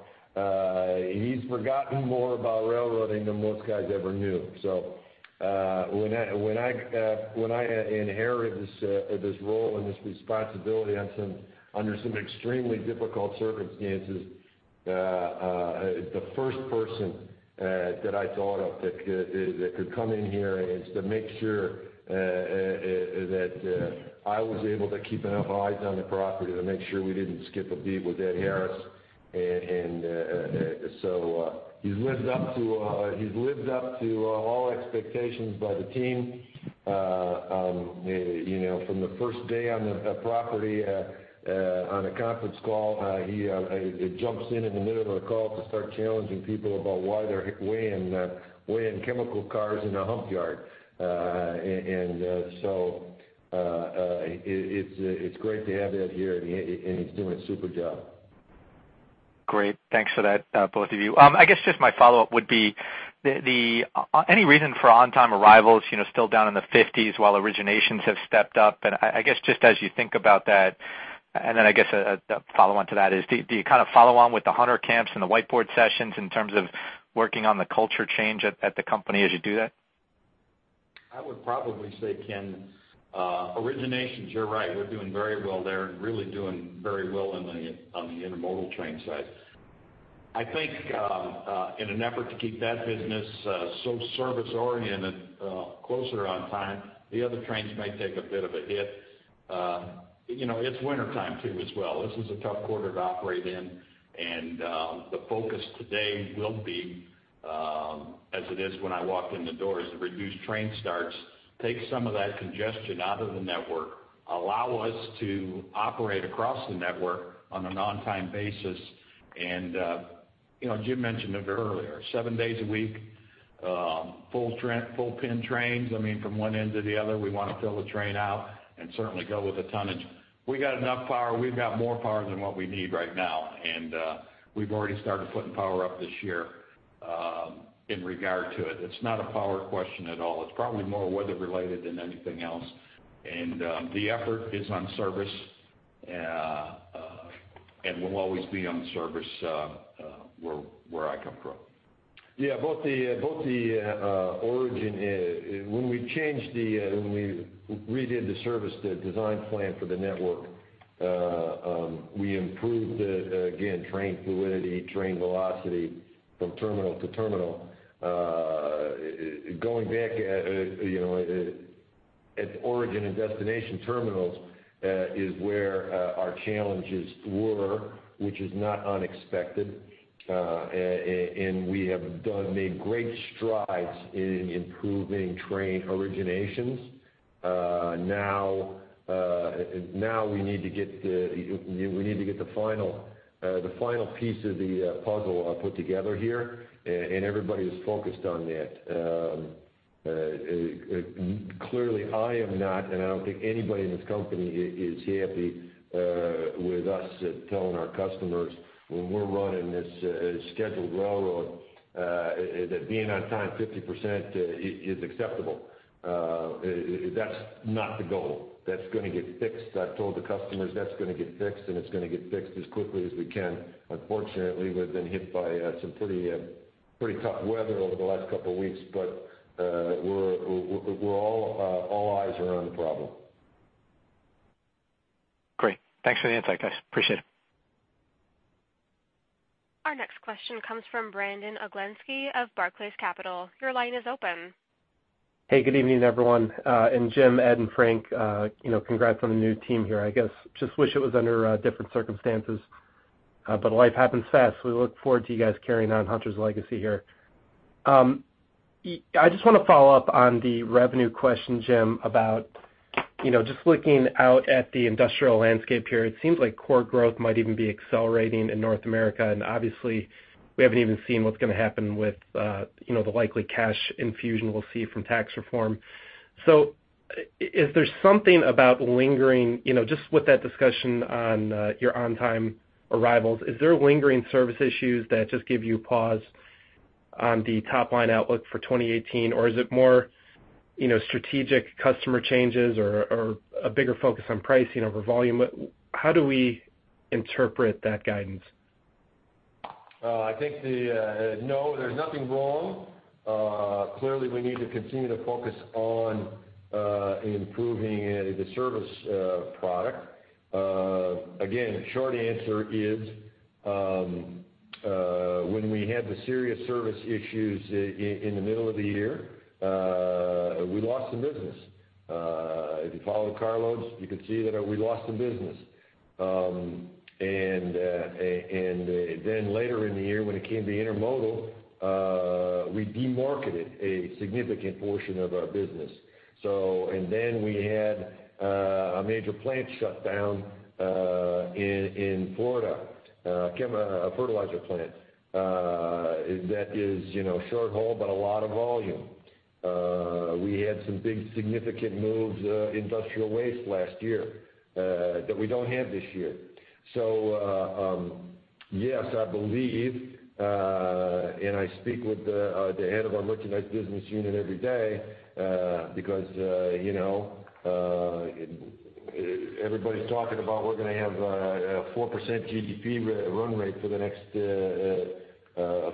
He's forgotten more about railroading than most guys ever knew. So when I inherited this role and this responsibility under some extremely difficult circumstances, the first person that I thought of that could come in here is to make sure that I was able to keep enough eyes on the property to make sure we didn't skip a beat with Ed Harris. And so he's lived up to—he's lived up to all expectations by the team. From the first day on the property on a conference call, he jumps in in the middle of a call to start challenging people about why they're weighing chemical cars in a hump yard. And so it's great to have Ed here, and he's doing a super job. Great. Thanks for that, both of you. I guess just my follow-up would be any reason for on-time arrivals, still down in the 50s% while originations have stepped up? And I guess just as you think about that, and then I guess a follow-on to that is, do you kind of follow on with the Hunter camps and the whiteboard sessions in terms of working on the culture change at the company as you do that? I would probably say, Ken, originations, you're right. We're doing very well there and really doing very well on the intermodal train side. I think in an effort to keep that business so service-oriented, closer on time, the other trains may take a bit of a hit. It's wintertime too as well. This is a tough quarter to operate in. The focus today will be, as it is when I walked in the doors, to reduce train starts, take some of that congestion out of the network, allow us to operate across the network on an on-time basis. Jim mentioned it earlier, seven days a week, full-length trains. I mean, from one end to the other, we want to fill the train out and certainly go with a tonnage. We got enough power. We've got more power than what we need right now. We've already started putting power up this year in regard to it. It's not a power question at all. It's probably more weather-related than anything else. And the effort is on service, and we'll always be on service where I come from. Yeah. Both the origin when we changed the-when we redid the service design plan for the network, we improved the, again, train fluidity, train velocity from terminal to terminal. Going back at origin and destination terminals is where our challenges were, which is not unexpected. And we have made great strides in improving train originations. Now we need to get the-we need to get the final piece of the puzzle put together here, and everybody is focused on that. Clearly, I am not, and I don't think anybody in this company is happy with us telling our customers when we're running this scheduled railroad that being on time 50% is acceptable. That's not the goal. That's going to get fixed. I've told the customers that's going to get fixed, and it's going to get fixed as quickly as we can. Unfortunately, we've been hit by some pretty tough weather over the last couple of weeks, but all eyes are on the problem. Great. Thanks for the insight, guys. Appreciate it. Our next question comes from Brandon Oglenski of Barclays. Your line is open. Hey, good evening, everyone. Jim, Ed, and Frank, congrats on the new team here. I guess I just wish it was under different circumstances, but life happens fast. We look forward to you guys carrying on Hunter's legacy here. I just want to follow up on the revenue question, Jim, about just looking out at the industrial landscape here. It seems like core growth might even be accelerating in North America. Obviously, we haven't even seen what's going to happen with the likely cash infusion we'll see from tax reform. Is there something about lingering just with that discussion on your on-time arrivals? Is there lingering service issues that just give you pause on the top line outlook for 2018? Or is it more strategic customer changes or a bigger focus on pricing over volume? How do we interpret that guidance? I think, no, there's nothing wrong. Clearly, we need to continue to focus on improving the service product. Again, short answer is when we had the serious service issues in the middle of the year, we lost some business. If you followed carloads, you could see that we lost some business. And then later in the year, when it came to intermodal, we demarketed a significant portion of our business. And then we had a major plant shut down in Florida, a fertilizer plant that is short-haul, but a lot of volume. We had some big significant moves, industrial waste last year that we don't have this year. So yes, I believe, and I speak with the head of our merchandise business unit every day because everybody's talking about we're going to have a 4% GDP run rate for the next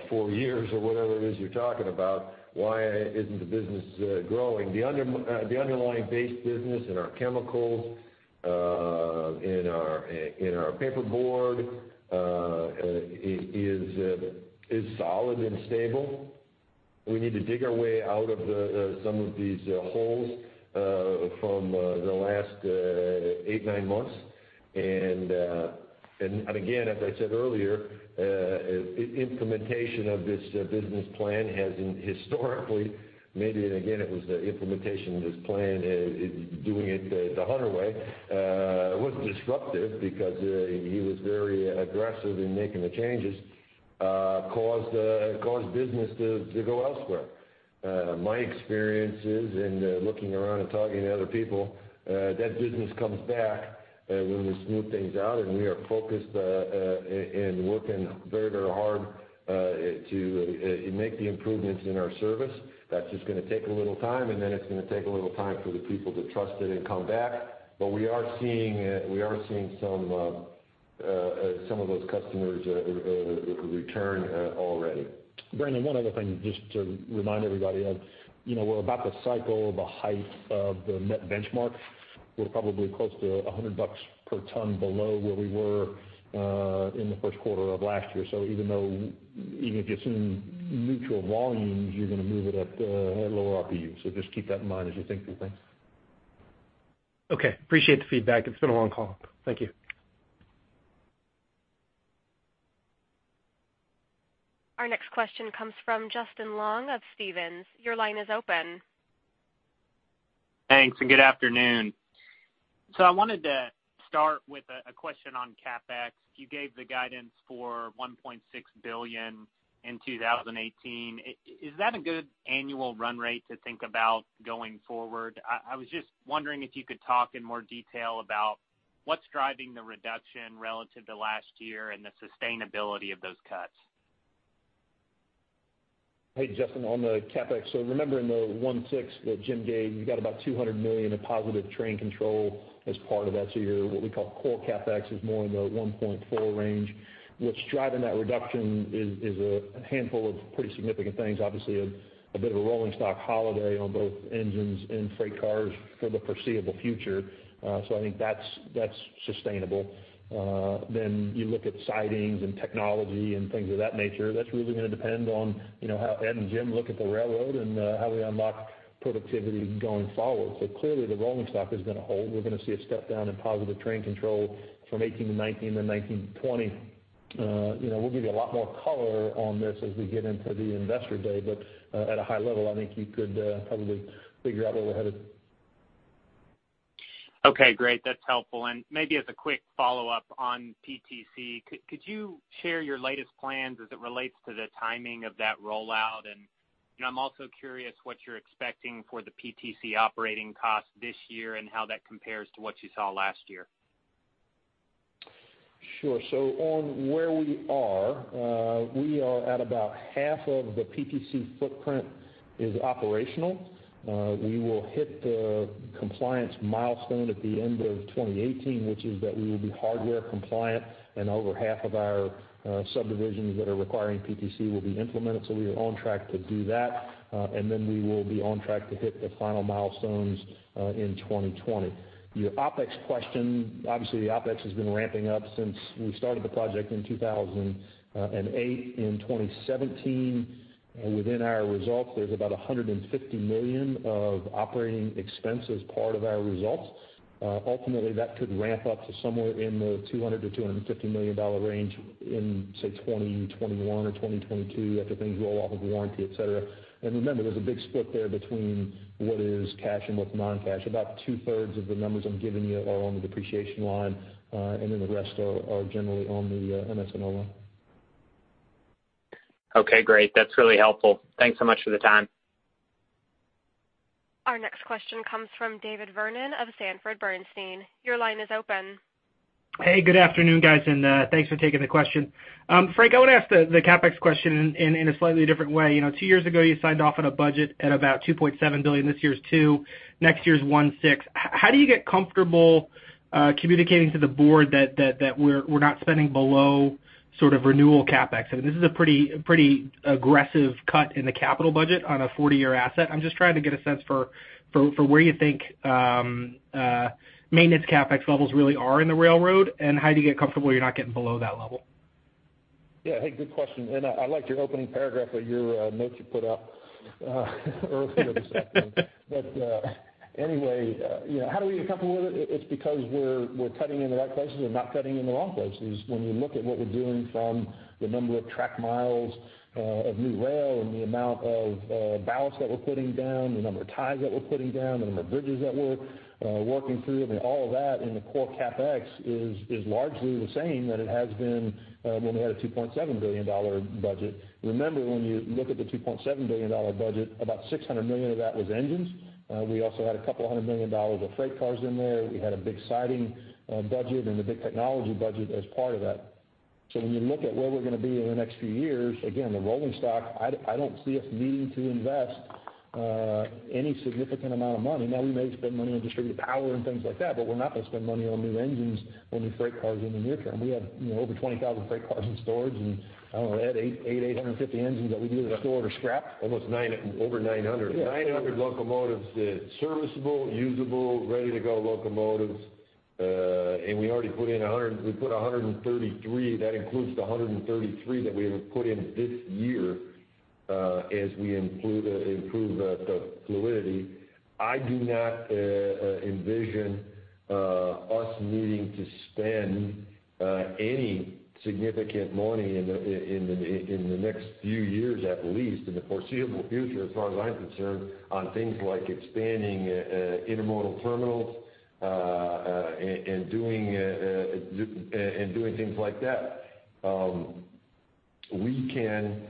four years or whatever it is you're talking about. Why isn't the business growing? The underlying base business in our chemicals, in our paperboard, is solid and stable. We need to dig our way out of some of these holes from the last eight, nine months. And again, as I said earlier, implementation of this business plan has historically made it, and again, it was the implementation of this plan, doing it the Hunter way, was disruptive because he was very aggressive in making the changes, caused business to go elsewhere. My experiences and looking around and talking to other people, that business comes back when we smooth things out, and we are focused and working very, very hard to make the improvements in our service. That's just going to take a little time, and then it's going to take a little time for the people to trust it and come back. But we are seeing some of those customers return already. Brandon, one other thing just to remind everybody of, we're at the bottom of the cycle, at the height of the met benchmark. We're probably close to $100 per ton below where we were in the first quarter of last year. So even though, even if you assume neutral volumes, you're going to move it at lower RPU. So just keep that in mind as you think through things. Okay. Appreciate the feedback. It's been a long call. Thank you. Our next question comes from Justin Long of Stephens. Your line is open. Thanks, and good afternoon. So I wanted to start with a question on CapEx. You gave the guidance for $1.6 billion in 2018. Is that a good annual run rate to think about going forward? I was just wondering if you could talk in more detail about what's driving the reduction relative to last year and the sustainability of those cuts. Hey, Justin, on the CapEx, so remember in the $1.6 billion that Jim gave, you've got about $200 million of Positive Train Control as part of that. So your what we call core CapEx is more in the $1.4 billion range. What's driving that reduction is a handful of pretty significant things. Obviously, a bit of a rolling stock holiday on both engines and freight cars for the foreseeable future. So I think that's sustainable. Then you look at sidings and technology and things of that nature. That's really going to depend on how Ed and Jim look at the railroad and how we unlock productivity going forward. So clearly, the rolling stock is going to hold. We're going to see a step down in Positive Train Control from 2018 to 2019, then 2019 to 2020. We'll give you a lot more color on this as we get into the Investor Day, but at a high level, I think you could probably figure out where we're headed. Okay. Great. That's helpful. Maybe as a quick follow-up on PTC, could you share your latest plans as it relates to the timing of that rollout? I'm also curious what you're expecting for the PTC operating cost this year and how that compares to what you saw last year? Sure. So on where we are, we are at about half of the PTC footprint is operational. We will hit the compliance milestone at the end of 2018, which is that we will be hardware compliant, and over half of our subdivisions that are requiring PTC will be implemented. So we are on track to do that. And then we will be on track to hit the final milestones in 2020. Your OpEx question, obviously, the OpEx has been ramping up since we started the project in 2008. In 2017, within our results, there's about $150 million of operating expenses part of our results. Ultimately, that could ramp up to somewhere in the $200 million-$250 million range in, say, 2021 or 2022 after things roll off of warranty, etc. And remember, there's a big split there between what is cash and what's non-cash. About 2/3 of the numbers I'm giving you are on the depreciation line, and then the rest are generally on the MS&O line. Okay. Great. That's really helpful. Thanks so much for the time. Our next question comes from David Vernon of Sanford Bernstein. Your line is open. Hey, good afternoon, guys, and thanks for taking the question. Frank, I want to ask the CapEx question in a slightly different way. Two years ago, you signed off on a budget at about $2.7 billion. This year's $2 billion. Next year's $1.6 billion. How do you get comfortable communicating to the board that we're not spending below sort of renewal CapEx? I mean, this is a pretty aggressive cut in the capital budget on a 40-year asset. I'm just trying to get a sense for where you think maintenance CapEx levels really are in the railroad, and how do you get comfortable you're not getting below that level? Yeah. Hey, good question. I like your opening paragraph of your notes you put out earlier this afternoon. Anyway, how do we get comfortable with it? It's because we're cutting in the right places and not cutting in the wrong places. When you look at what we're doing from the number of track miles of new rail and the amount of ballast that we're putting down, the number of ties that we're putting down, the number of bridges that we're working through, I mean, all of that in the core CapEx is largely the same that it has been when we had a $2.7 billion budget. Remember, when you look at the $2.7 billion budget, about $600 million of that was engines. We also had $200 million of freight cars in there. We had a big siding budget and a big technology budget as part of that. So when you look at where we're going to be in the next few years, again, the rolling stock, I don't see us needing to invest any significant amount of money. Now, we may spend money on distributed power and things like that, but we're not going to spend money on new engines when we freight cars in the near term. We have over 20,000 freight cars in storage, and I don't know, Ed, 8,850 engines that we need to restore or scrap. Almost over 900. 900 locomotives that are serviceable, usable, ready-to-go locomotives. We already put in 100. We put 133. That includes the 133 that we have put in this year as we improve the fluidity. I do not envision us needing to spend any significant money in the next few years, at least in the foreseeable future, as far as I'm concerned, on things like expanding intermodal terminals and doing things like that. We can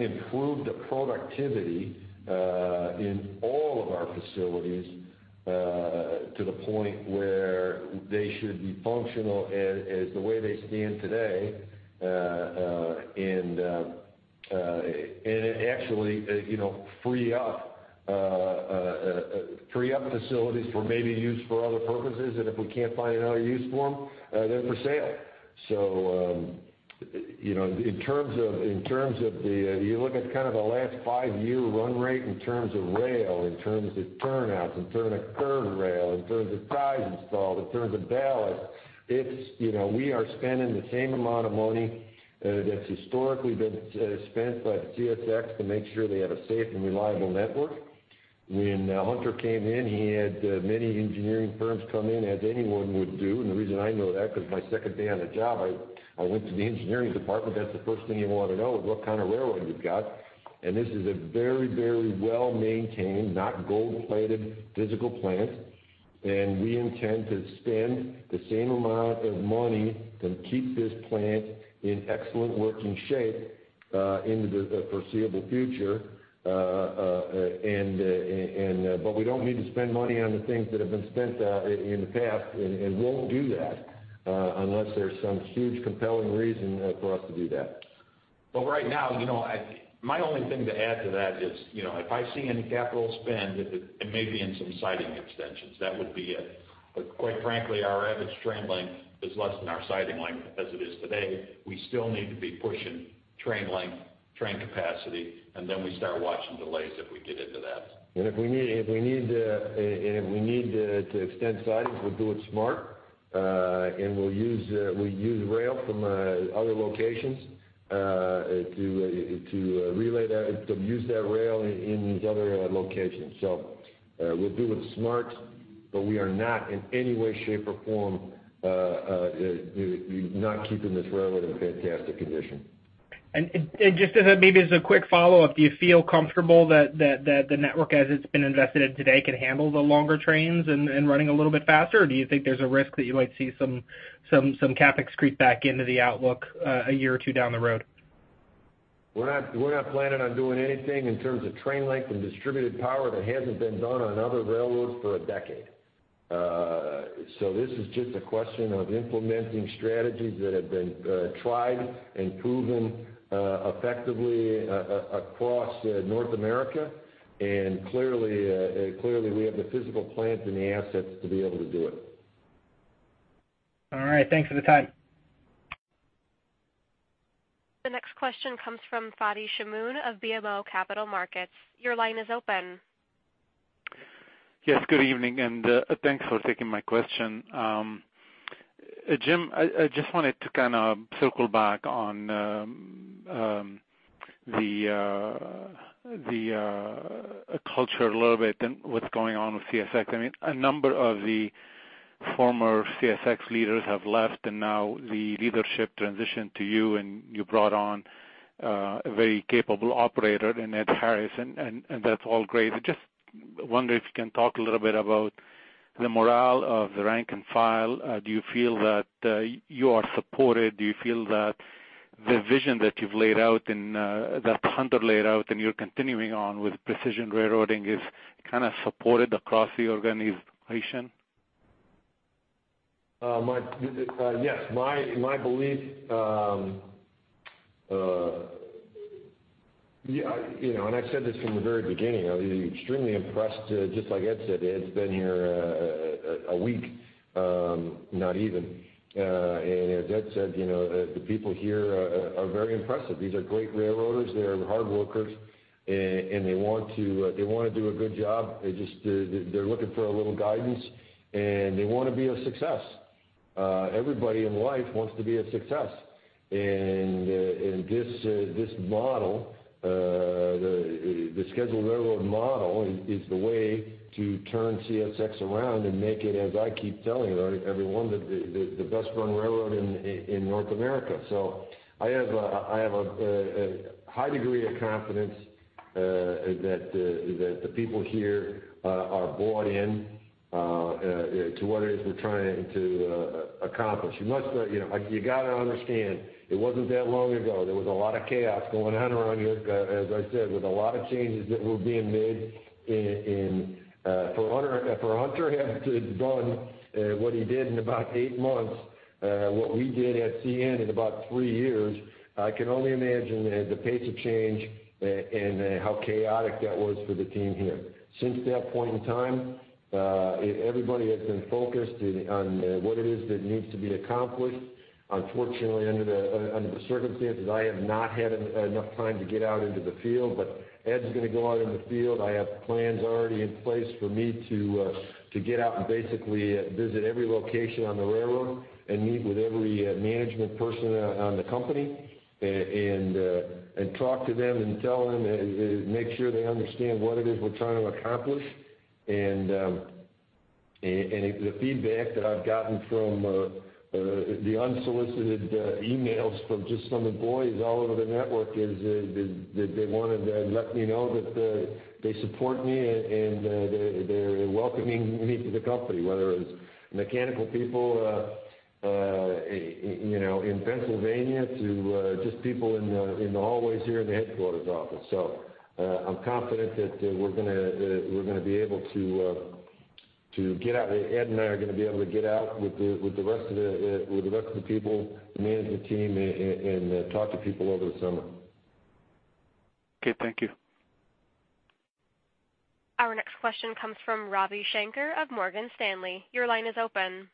improve the productivity in all of our facilities to the point where they should be functional as the way they stand today and actually free up facilities for maybe use for other purposes. If we can't find another use for them, they're for sale. So in terms of—you look at kind of the last five-year run rate in terms of rail, in terms of turnouts, in terms of curve rail, in terms of ties installed, in terms of ballast, we are spending the same amount of money that's historically been spent by the CSX to make sure they have a safe and reliable network. When Hunter came in, he had many engineering firms come in as anyone would do. And the reason I know that is because my second day on the job, I went to the engineering department. That's the first thing you want to know is what kind of railroad you've got. And this is a very, very well-maintained, not gold-plated physical plant. And we intend to spend the same amount of money to keep this plant in excellent working shape into the foreseeable future. But we don't need to spend money on the things that have been spent in the past and won't do that unless there's some huge compelling reason for us to do that. But right now, my only thing to add to that is if I see any capital spend, it may be in some siding extensions. That would be it. But quite frankly, our average train length is less than our siding length as it is today. We still need to be pushing train length, train capacity, and then we start watching delays if we get into that. If we need to extend sidings, we'll do it smart. We'll use rail from other locations to relay that, to use that rail in these other locations. We'll do it smart, but we are not in any way, shape, or form not keeping this railroad in fantastic condition. Just maybe as a quick follow-up, do you feel comfortable that the network as it's been invested in today can handle the longer trains and running a little bit faster? Or do you think there's a risk that you might see some CapEx creep back into the outlook a year or two down the road? We're not planning on doing anything in terms of train length and distributed power that hasn't been done on other railroads for a decade. This is just a question of implementing strategies that have been tried and proven effectively across North America. Clearly, we have the physical plants and the assets to be able to do it. All right. Thanks for the time. The next question comes from Fadi Chamoun of BMO Capital Markets. Your line is open. Yes. Good evening, and thanks for taking my question. Jim, I just wanted to kind of circle back on the culture a little bit and what's going on with CSX. I mean, a number of the former CSX leaders have left, and now the leadership transitioned to you, and you brought on a very capable operator, and Ed Harris, and that's all great. I just wonder if you can talk a little bit about the morale of the rank and file. Do you feel that you are supported? Do you feel that the vision that you've laid out and that Hunter laid out and you're continuing on with precision railroading is kind of supported across the organization? Yes. My belief, and I've said this from the very beginning, I was extremely impressed, just like Ed said. Ed's been here a week, not even. And as Ed said, the people here are very impressive. These are great railroaders. They're hard workers, and they want to do a good job. They're looking for a little guidance, and they want to be a success. Everybody in life wants to be a success. And this model, the scheduled railroad model, is the way to turn CSX around and make it, as I keep telling everyone, the best-run railroad in North America. So I have a high degree of confidence that the people here are bought into what it is we're trying to accomplish. You got to understand, it wasn't that long ago. There was a lot of chaos going on around here, as I said, with a lot of changes that were being made. For Hunter to have done what he did in about 8 months, what we did at CN in about 3 years, I can only imagine the pace of change and how chaotic that was for the team here. Since that point in time, everybody has been focused on what it is that needs to be accomplished. Unfortunately, under the circumstances, I have not had enough time to get out into the field. But Ed's going to go out in the field. I have plans already in place for me to get out and basically visit every location on the railroad and meet with every management person on the company and talk to them and tell them, make sure they understand what it is we're trying to accomplish. The feedback that I've gotten from the unsolicited emails from just some employees all over the network is that they wanted to let me know that they support me and they're welcoming me to the company, whether it's mechanical people in Pennsylvania to just people in the hallways here in the headquarters office. I'm confident that we're going to be able to get out. Ed and I are going to be able to get out with the rest of the people, the management team, and talk to people over the summer. Okay. Thank you. Our next question comes from Ravi Shanker of Morgan Stanley. Your line is open.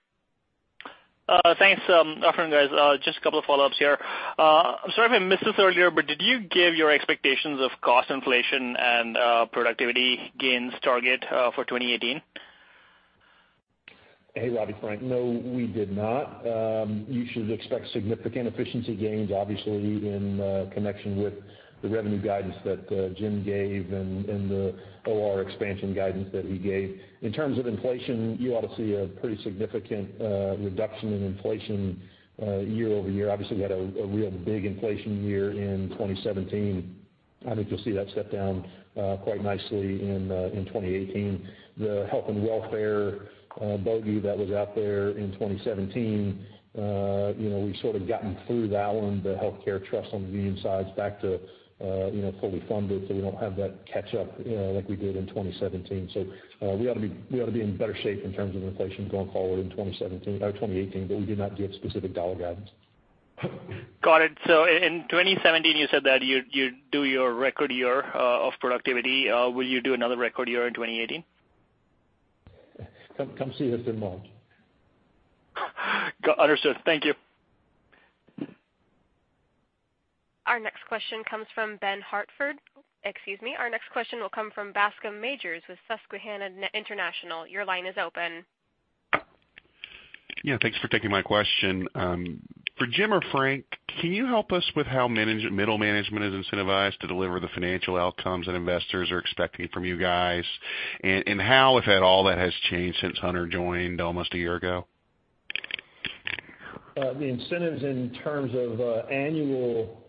Thanks, Frank, guys. Just a couple of follow-ups here. I'm sorry if I missed this earlier, but did you give your expectations of cost inflation and productivity gains target for 2018? Hey, Ravi. Frank. No, we did not. You should expect significant efficiency gains, obviously, in connection with the revenue guidance that Jim gave and the OR expansion guidance that he gave. In terms of inflation, you ought to see a pretty significant reduction in inflation year-over-year. Obviously, we had a real big inflation year in 2017. I think you'll see that step down quite nicely in 2018. The health and welfare bogey that was out there in 2017, we've sort of gotten through that one, the healthcare trust on the union side, back to fully funded. So we don't have that catch-up like we did in 2017. So we ought to be in better shape in terms of inflation going forward in 2017 or 2018, but we did not get specific dollar guidance. Got it. So in 2017, you said that you'd do your record year of productivity. Will you do another record year in 2018? Come see us in March. Understood. Thank you. Our next question comes from Ben Hartford. Excuse me. Our next question will come from Bascome Majors with Susquehanna International. Your line is open. Yeah. Thanks for taking my question. For Jim or Frank, can you help us with how middle management is incentivized to deliver the financial outcomes that investors are expecting from you guys? And how, if at all, that has changed since Hunter joined almost a year ago? The incentives in terms of annual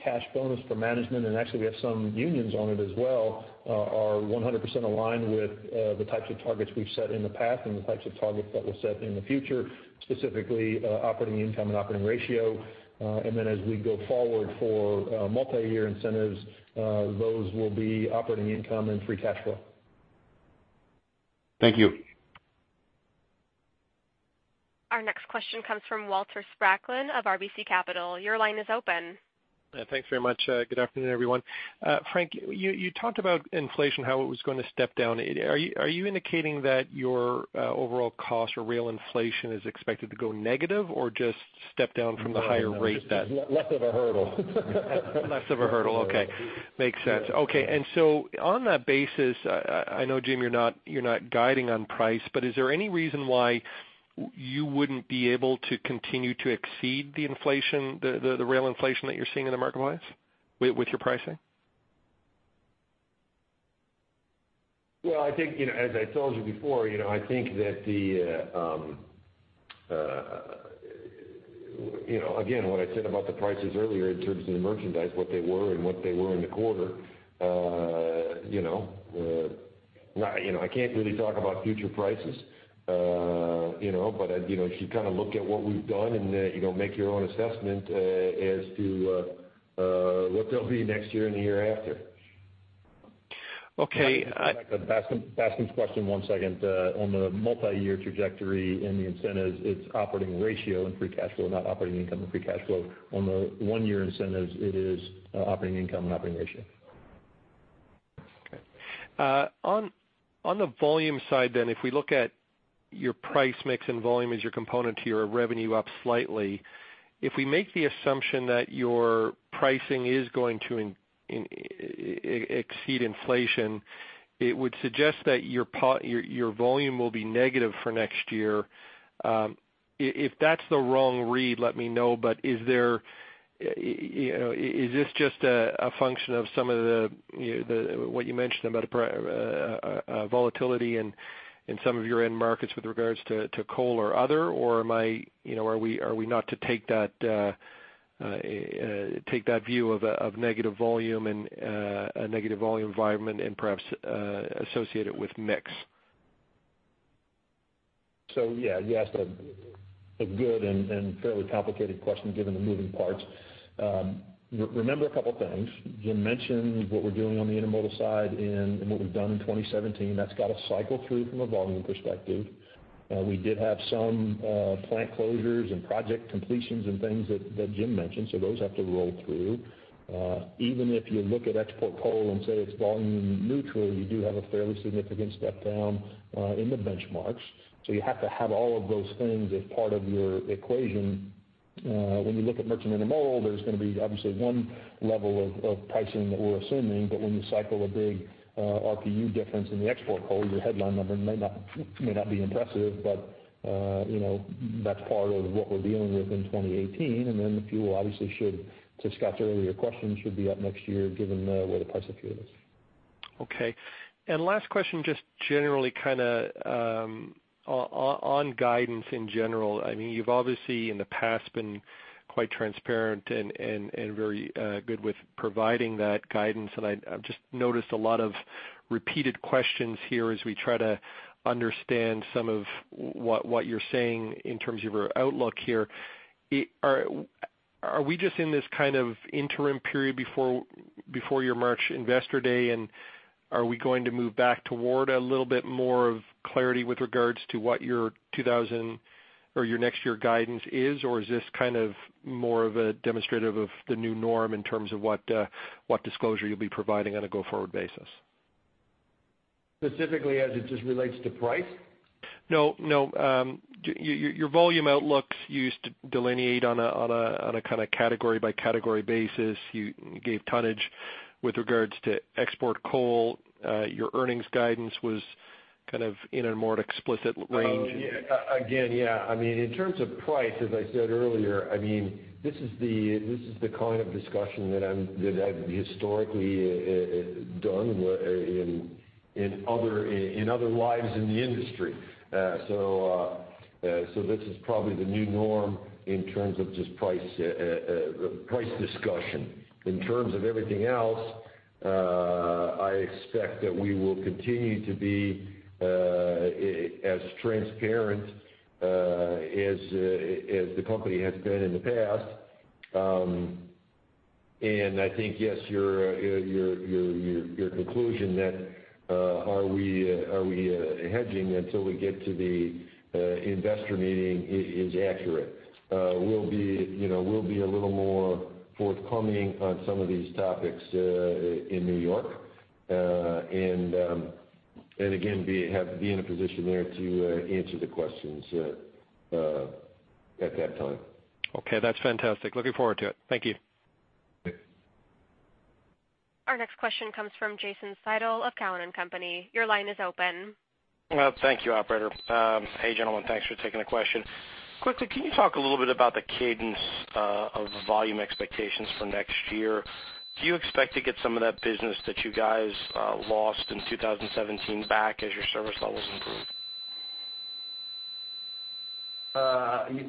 cash bonus for management, and actually, we have some unions on it as well, are 100% aligned with the types of targets we've set in the past and the types of targets that we'll set in the future, specifically operating income and operating ratio. As we go forward for multi-year incentives, those will be operating income and free cash flow. Thank you. Our next question comes from Walter Spracklin of RBC Capital. Your line is open. Thanks very much. Good afternoon, everyone. Frank, you talked about inflation, how it was going to step down. Are you indicating that your overall cost or rail inflation is expected to go negative or just step down from the higher rate that? Less of a hurdle. Less of a hurdle. Okay. Makes sense. Okay. And so on that basis, I know, Jim, you're not guiding on price, but is there any reason why you wouldn't be able to continue to exceed the inflation, the rail inflation that you're seeing in the marketplace with your pricing? Well, I think, as I told you before, I think that the, again, what I said about the prices earlier in terms of the merchandise, what they were and what they were in the quarter. I can't really talk about future prices, but if you kind of look at what we've done and make your own assessment as to what they'll be next year and the year after. Okay. Bascome's question, one second. On the multi-year trajectory in the incentives, it's operating ratio and free cash flow, not operating income and free cash flow. On the one-year incentives, it is operating income and operating ratio. Okay. On the volume side then, if we look at your price mix and volume as your component to your revenue up slightly, if we make the assumption that your pricing is going to exceed inflation, it would suggest that your volume will be negative for next year. If that's the wrong read, let me know. But is this just a function of some of the what you mentioned about volatility in some of your end markets with regards to coal or other, or are we not to take that view of negative volume and a negative volume environment and perhaps associate it with mix? So yeah, you asked a good and fairly complicated question given the moving parts. Remember a couple of things. Jim mentioned what we're doing on the intermodal side and what we've done in 2017. That's got to cycle through from a volume perspective. We did have some plant closures and project completions and things that Jim mentioned. So those have to roll through. Even if you look at export coal and say it's volume neutral, you do have a fairly significant step down in the benchmarks. So you have to have all of those things as part of your equation. When you look at merchant intermodal, there's going to be obviously one level of pricing that we're assuming. But when you cycle a big RPU difference in the export coal, your headline number may not be impressive, but that's part of what we're dealing with in 2018. And then the fuel, obviously, should, to Scott's earlier question, should be up next year given where the price of fuel is. Okay. And last question, just generally kind of on guidance in general. I mean, you've obviously in the past been quite transparent and very good with providing that guidance. And I've just noticed a lot of repeated questions here as we try to understand some of what you're saying in terms of your outlook here. Are we just in this kind of interim period before your March Investor Day? And are we going to move back toward a little bit more of clarity with regards to what your next year guidance is? Or is this kind of more of a demonstrative of the new norm in terms of what disclosure you'll be providing on a go-forward basis? Specifically as it just relates to price? No. No. Your volume outlook, you used to delineate on a kind of category-by-category basis. You gave tonnage with regards to export coal. Your earnings guidance was kind of in a more explicit range. Again, yeah. I mean, in terms of price, as I said earlier, I mean, this is the kind of discussion that I've historically done in other lives in the industry. So this is probably the new norm in terms of just price discussion. In terms of everything else, I expect that we will continue to be as transparent as the company has been in the past. I think, yes, your conclusion that are we hedging until we get to the investor meeting is accurate. We'll be a little more forthcoming on some of these topics in New York and, again, be in a position there to answer the questions at that time. Okay. That's fantastic. Looking forward to it. Thank you. Our next question comes from Jason Seidl of Cowen and Company. Your line is open. Thank you, operator. Hey, gentlemen. Thanks for taking the question. Quickly, can you talk a little bit about the cadence of volume expectations for next year? Do you expect to get some of that business that you guys lost in 2017 back as your service levels improve?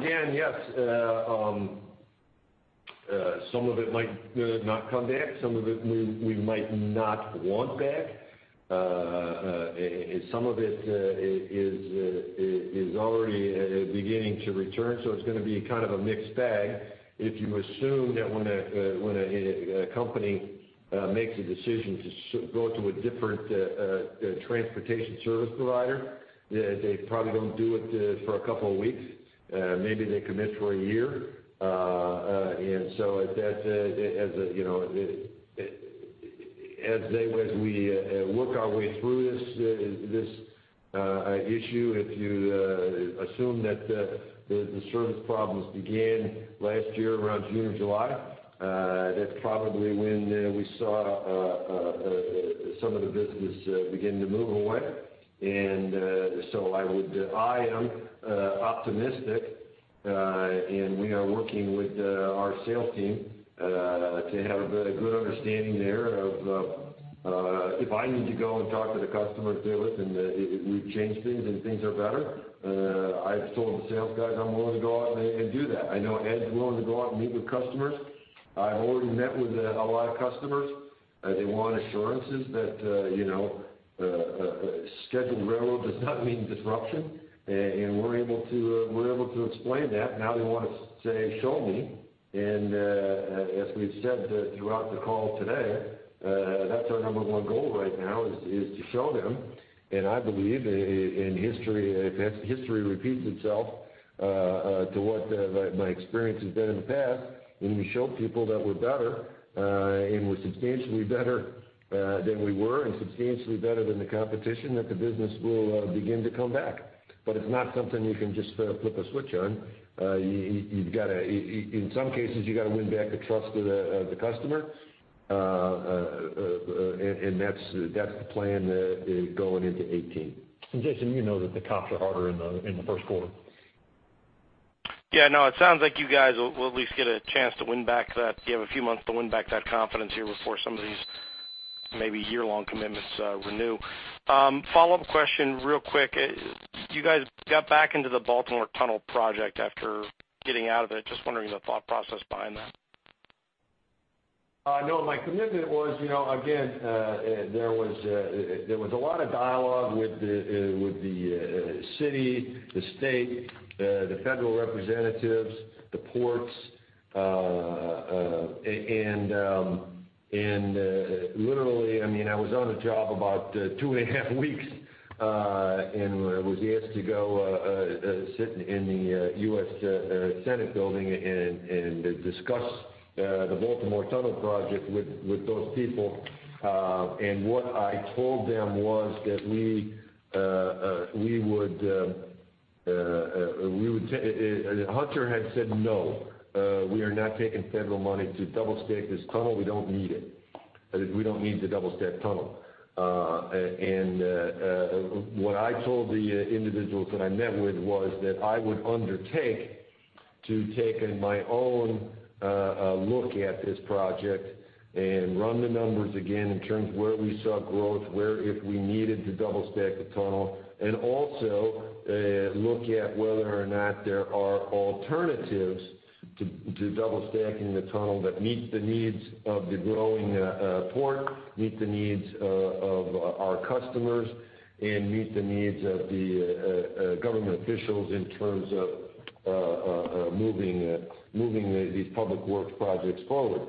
Again, yes. Some of it might not come back. Some of it we might not want back. Some of it is already beginning to return. So it's going to be kind of a mixed bag. If you assume that when a company makes a decision to go to a different transportation service provider, they probably don't do it for a couple of weeks. Maybe they commit for a year. And so as we work our way through this issue, if you assume that the service problems began last year around June or July, that's probably when we saw some of the business begin to move away. And so I am optimistic, and we are working with our sales team to have a good understanding there of if I need to go and talk to the customer, do it, and we've changed things and things are better. I've told the sales guys I'm willing to go out and do that. I know Ed's willing to go out and meet with customers. I've already met with a lot of customers. They want assurances that scheduled railroad does not mean disruption. And we're able to explain that. Now they want to say, "Show me." And as we've said throughout the call today, that's our number one goal right now is to show them. I believe in history, if history repeats itself to what my experience has been in the past, then we show people that we're better and we're substantially better than we were and substantially better than the competition, that the business will begin to come back. But it's not something you can just flip a switch on. In some cases, you got to win back the trust of the customer. And that's the plan going into 2018. And Jason, you know that the comps are harder in the first quarter. Yeah. No, it sounds like you guys will at least get a chance to win back that. You have a few months to win back that confidence here before some of these maybe year-long commitments renew. Follow-up question real quick. You guys got back into the Baltimore Tunnel project after getting out of it. Just wondering the thought process behind that. No, my commitment was, again, there was a lot of dialogue with the city, the state, the federal representatives, the ports. And literally, I mean, I was on a job about 2.5 weeks and was asked to go sit in the U.S. Senate building and discuss the Baltimore Tunnel project with those people. And what I told them was that we would Hunter had said, "No. We are not taking federal money to double-stack this tunnel. We don't need it. We don't need the double-stack tunnel." What I told the individuals that I met with was that I would undertake to take my own look at this project and run the numbers again in terms of where we saw growth, where if we needed to double-stack the tunnel, and also look at whether or not there are alternatives to double-stacking the tunnel that meet the needs of the growing port, meet the needs of our customers, and meet the needs of the government officials in terms of moving these public works projects forward.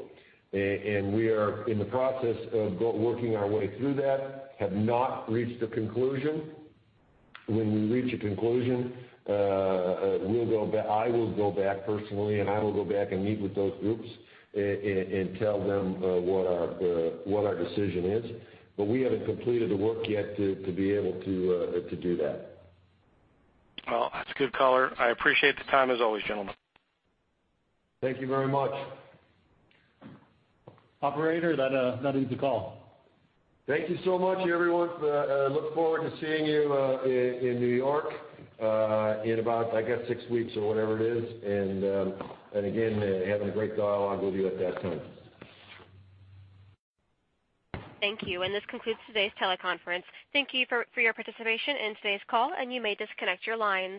We are in the process of working our way through that. Have not reached a conclusion. When we reach a conclusion, I will go back personally, and I will go back and meet with those groups and tell them what our decision is. But we haven't completed the work yet to be able to do that. Well, that's good color. I appreciate the time as always, gentlemen. Thank you very much. Operator, that ends the call. Thank you so much, everyone. Look forward to seeing you in New York in about, I guess, six weeks or whatever it is. And again, having a great dialogue with you at that time. Thank you. This concludes today's teleconference. Thank you for your participation in today's call, and you may disconnect your lines.